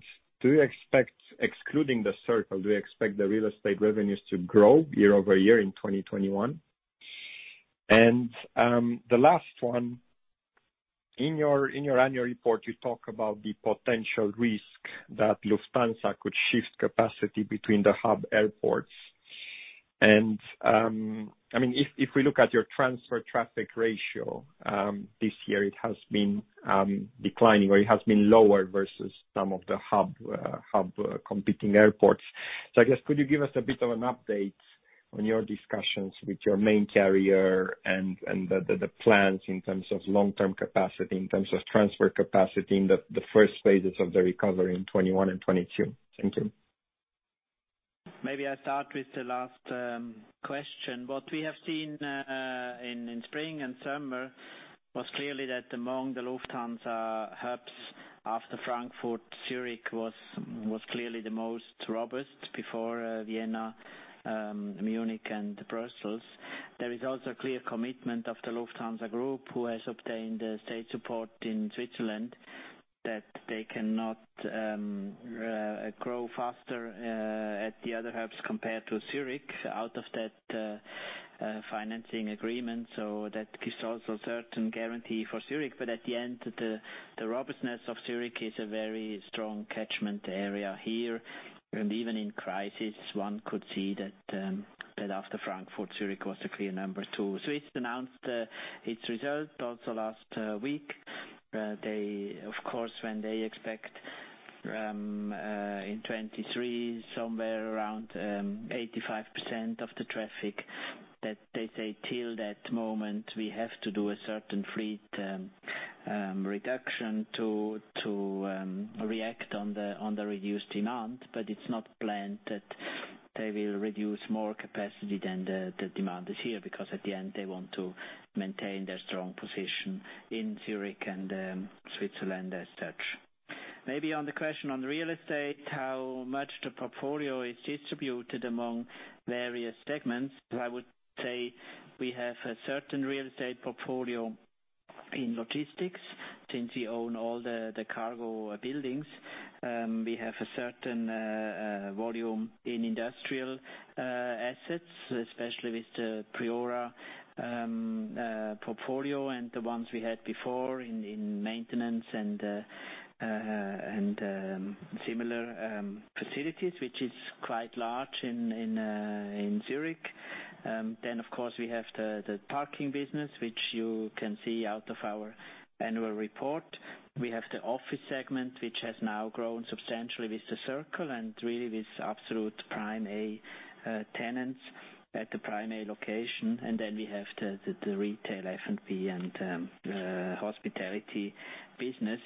excluding The Circle, do you expect the real estate revenues to grow year-over-year in 2021? The last one. In your annual report, you talk about the potential risk that Lufthansa could shift capacity between the hub airports. If we look at your transfer traffic ratio, this year it has been declining or it has been lower versus some of the hub competing airports. I guess, could you give us a bit of an update on your discussions with your main carrier and the plans in terms of long-term capacity, in terms of transfer capacity in the first phases of the recovery in 2021 and 2022? Thank you. Maybe I start with the last question. What we have seen in spring and summer was clearly that among the Lufthansa hubs, after Frankfurt, Zurich was clearly the most robust before Vienna, Munich, and Brussels. There is also clear commitment of the Lufthansa Group, who has obtained state support in Switzerland, that they cannot grow faster at the other hubs compared to Zurich out of that financing agreement. That gives also certain guarantee for Zurich. At the end, the robustness of Zurich is a very strong catchment area here. Even in crisis, one could see that after Frankfurt, Zurich was the clear number two. Swiss announced its result also last week. Of course, when they expect in 2023 somewhere around 85% of the traffic, that they say till that moment, we have to do a certain fleet reduction to react on the reduced demand. It's not planned that they will reduce more capacity than the demand is here, because at the end, they want to maintain their strong position in Zurich and Switzerland as such. Maybe on the question on real estate, how much the portfolio is distributed among various segments. I would say we have a certain real estate portfolio in logistics since we own all the cargo buildings. We have a certain volume in industrial assets, especially with the Priora portfolio and the ones we had before in maintenance and similar facilities, which is quite large in Zurich. Of course, we have the parking business, which you can see out of our annual report. We have the office segment, which has now grown substantially with The Circle and really with absolute prime A tenants at the prime A location. We have the retail, F&B, and hospitality business.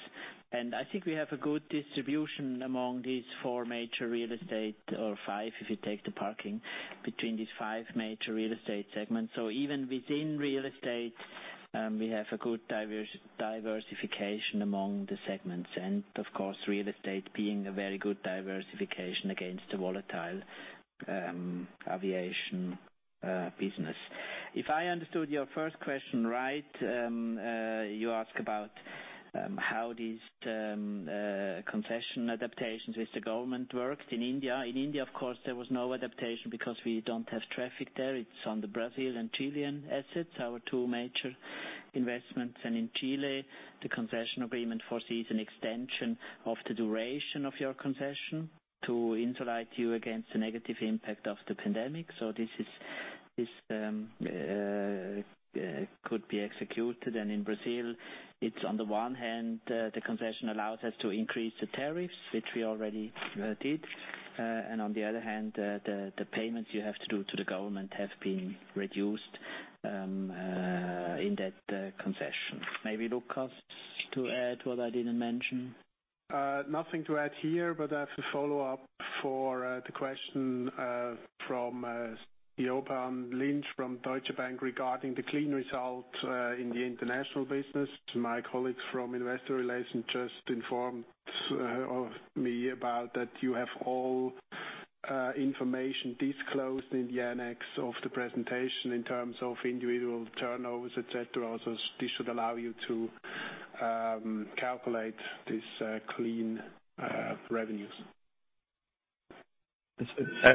I think we have a good distribution among these four major real estate, or five, if you take the parking, between these five major real estate segments. Even within real estate, we have a good diversification among the segments and of course, real estate being a very good diversification against the volatile aviation business. If I understood your first question right, you ask about how these concession adaptations with the government worked in India. In India, of course, there was no adaptation because we don't have traffic there. It's on the Brazil and Chilean assets, our two major investments. In Chile, the concession agreement foresees an extension of the duration of your concession to insulate you against the negative impact of the pandemic. This could be executed. In Brazil, it's on the one hand, the concession allows us to increase the tariffs, which we already did. On the other hand, the payments you have to do to the government have been reduced in that concession. Maybe Lukas to add what I didn't mention. Nothing to add here, but I have a follow-up for the question from Siobhan Lynch from Deutsche Bank regarding the clean results in the international business, my colleagues from Investor Relations just informed me about that you have all Information disclosed in the annex of the presentation in terms of individual turnovers, etcetera. Also this should allow you to calculate this clean revenues.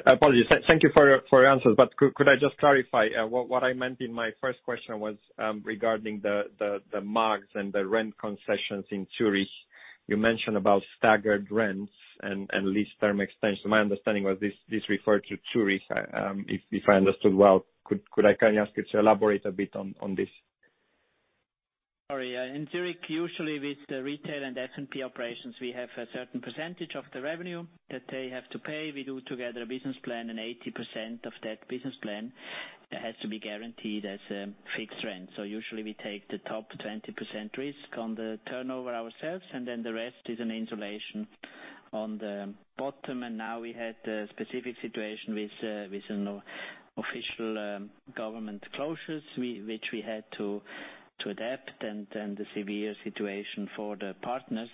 Apologies. Thank you for your answers. Could I just clarify? What I meant in my first question was regarding the MAGs and the rent concessions in Zurich. You mentioned about staggered rents and lease term extension. My understanding was this referred to Zurich, if I understood well. Could I ask you to elaborate a bit on this? Sorry. In Zurich, usually with the retail and S&P operations, we have a certain percentage of the revenue that they have to pay. We do together a business plan, 80% of that business plan has to be guaranteed as a fixed rent. Usually we take the top 20% risk on the turnover ourselves, and then the rest is an insulation on the bottom. Now we had a specific situation with official government closures, which we had to adapt, and the severe situation for the partners.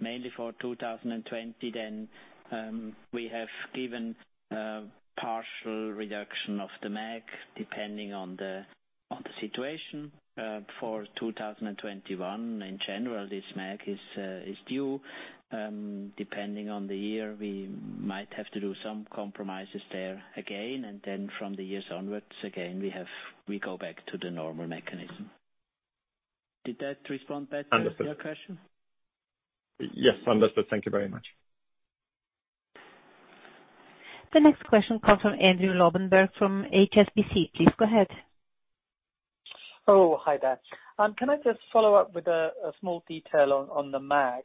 Mainly for 2020, then, we have given partial reduction of the MAG, depending on the situation. For 2021, in general, this MAG is due. Depending on the year, we might have to do some compromises there again. From the years onwards, again, we go back to the normal mechanism. Did that respond better to your question? Yes, understood. Thank you very much. The next question comes from Andrew Lobbenberg from HSBC. Please go ahead. Oh, hi there. Can I just follow up with a small detail on the MAG?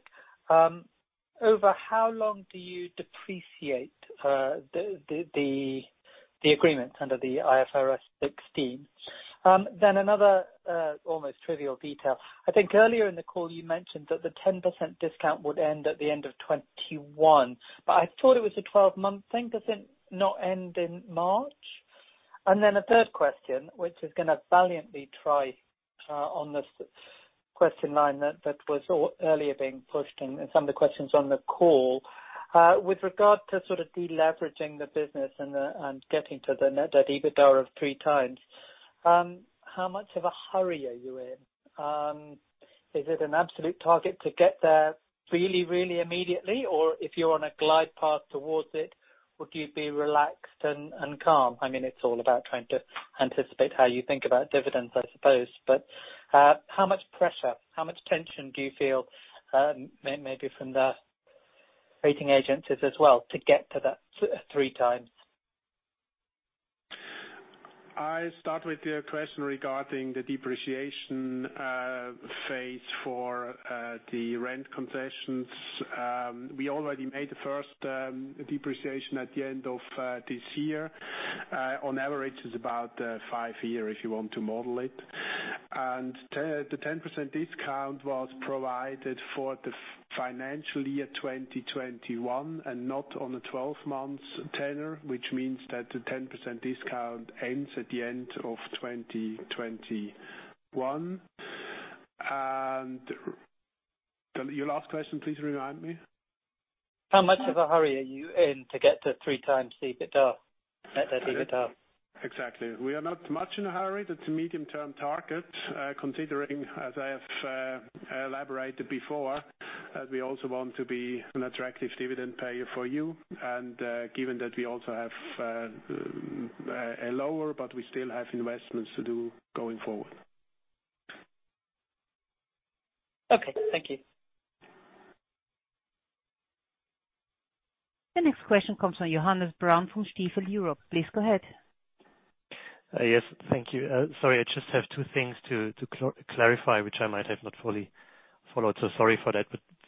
Over how long do you depreciate the agreement under the IFRS 16? Another almost trivial detail. I think earlier in the call you mentioned that the 10% discount would end at the end of 2021. I thought it was a 12-month thing. Does it not end in March? A third question, which is going to valiantly try on this question line that was earlier being pushed in some of the questions on the call. With regard to de-leveraging the business and getting to the net debt EBITDA of three times, how much of a hurry are you in? Is it an absolute target to get there really immediately? If you're on a glide path towards it, would you be relaxed and calm? It's all about trying to anticipate how you think about dividends, I suppose. How much pressure, how much tension do you feel, maybe from the rating agencies as well, to get to that three times? I start with your question regarding the depreciation phase for the rent concessions. We already made the first depreciation at the end of this year. On average, it's about five years, if you want to model it. The 10% discount was provided for the financial year 2021, and not on a 12 months tenor, which means that the 10% discount ends at the end of 2021. Your last question, please remind me. How much of a hurry are you in to get to three times the EBITDA, net EBITDA? Exactly. We are not much in a hurry. That's a medium-term target. Considering, as I have elaborated before, that we also want to be an attractive dividend payer for you, and given that we also have a lower, but we still have investments to do going forward. Okay. Thank you. The next question comes from Johannes Braun from Stifel Europe. Please go ahead. Yes. Thank you. Sorry, I just have two things to clarify, which I might have not fully followed. Sorry for that.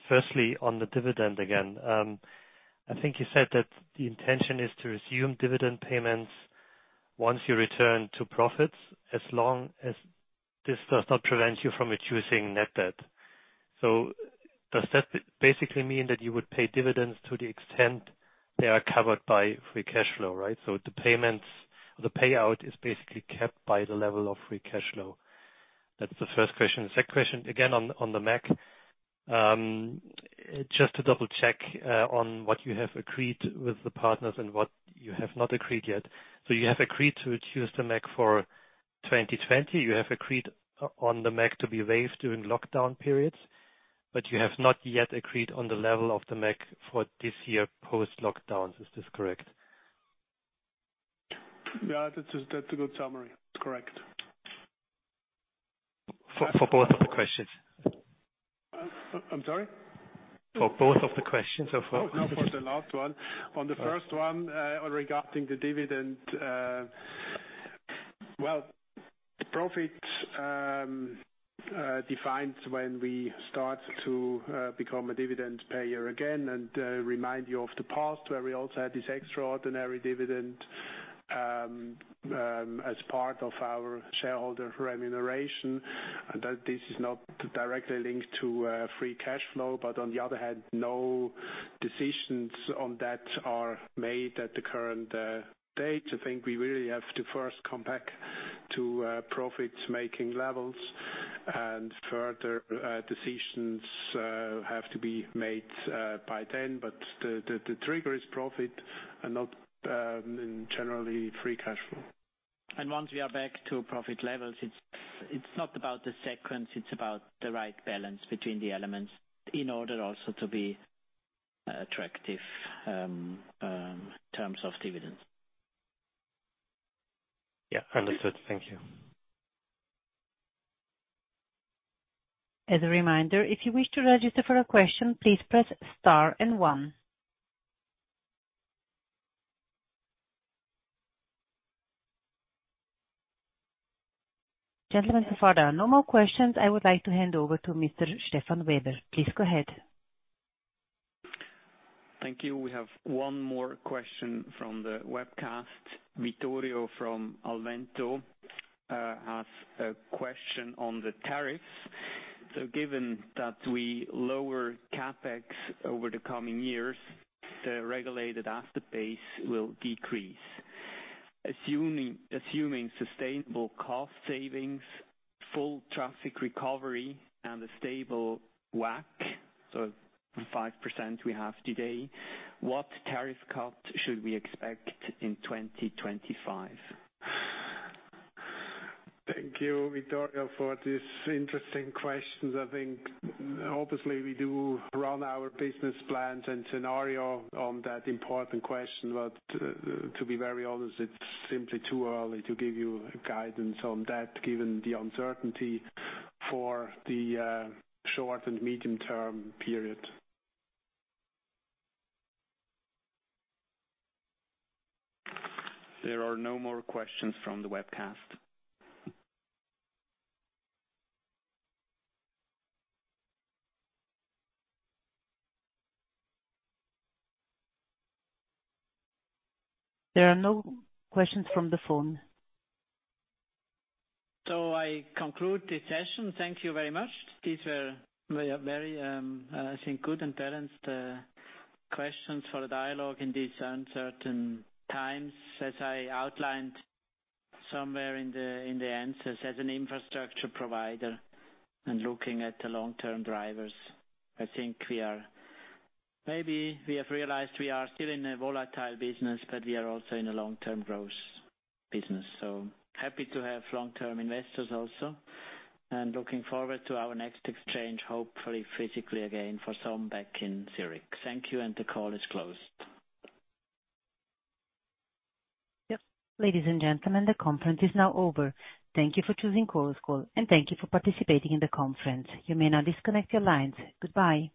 Firstly, on the dividend again. I think you said that the intention is to resume dividend payments once you return to profits, as long as this does not prevent you from reducing net debt. Does that basically mean that you would pay dividends to the extent they are covered by free cash flow, right? The payout is basically capped by the level of free cash flow. That's the first question. The second question, again on the MAG. Just to double-check on what you have agreed with the partners and what you have not agreed yet. You have agreed to reduce the MAG for 2020? You have agreed on the MAG to be waived during lockdown periods, but you have not yet agreed on the level of the MAG for this year post-lockdowns. Is this correct? Yeah, that's a good summary. Correct. For both of the questions? I'm sorry? For both of the questions or. Oh no, for the last one. On the first one, regarding the dividend. Well, profit defines when we start to become a dividend payer again, and remind you of the past, where we also had this extraordinary dividend, as part of our shareholder remuneration, and that this is not directly linked to free cash flow, but on the other hand, no decisions on that are made at the current date. I think we really have to first come back to profit-making levels and further decisions have to be made by then. The trigger is profit and not generally free cash flow. Once we are back to profit levels, it's not about the sequence, it's about the right balance between the elements in order also to be attractive in terms of dividends. Yeah, understood. Thank you. As a reminder, if you wish to register for a question, please press star and one. Gentlemen, so far there are no more questions. I would like to hand over to Mr. Stefan Weber. Please go ahead. Thank you. We have one more question from the webcast. Vittorio from Alvento has a question on the tariffs. Given that we lower CapEx over the coming years, the regulated asset base will decrease. Assuming sustainable cost savings, full traffic recovery, and a stable WACC, so 5% we have today, what tariff cut should we expect in 2025? Thank you, Vittorio, for this interesting question. I think obviously we do run our business plans and scenario on that important question. To be very honest, it's simply too early to give you guidance on that, given the uncertainty for the short and medium term period. There are no more questions from the webcast. There are no questions from the phone. I conclude the session. Thank you very much. These were very, I think, good and balanced questions for a dialogue in these uncertain times. As I outlined somewhere in the answers, as an infrastructure provider and looking at the long-term drivers, I think maybe we have realized we are still in a volatile business, but we are also in a long-term growth business. Happy to have long-term investors also, and looking forward to our next exchange, hopefully physically again for some back in Zurich. Thank you, and the call is closed. Yep. Ladies and gentlemen, the conference is now over. Thank you for choosing Chorus Call and thank you for participating in the conference. You may now disconnect your lines. Goodbye.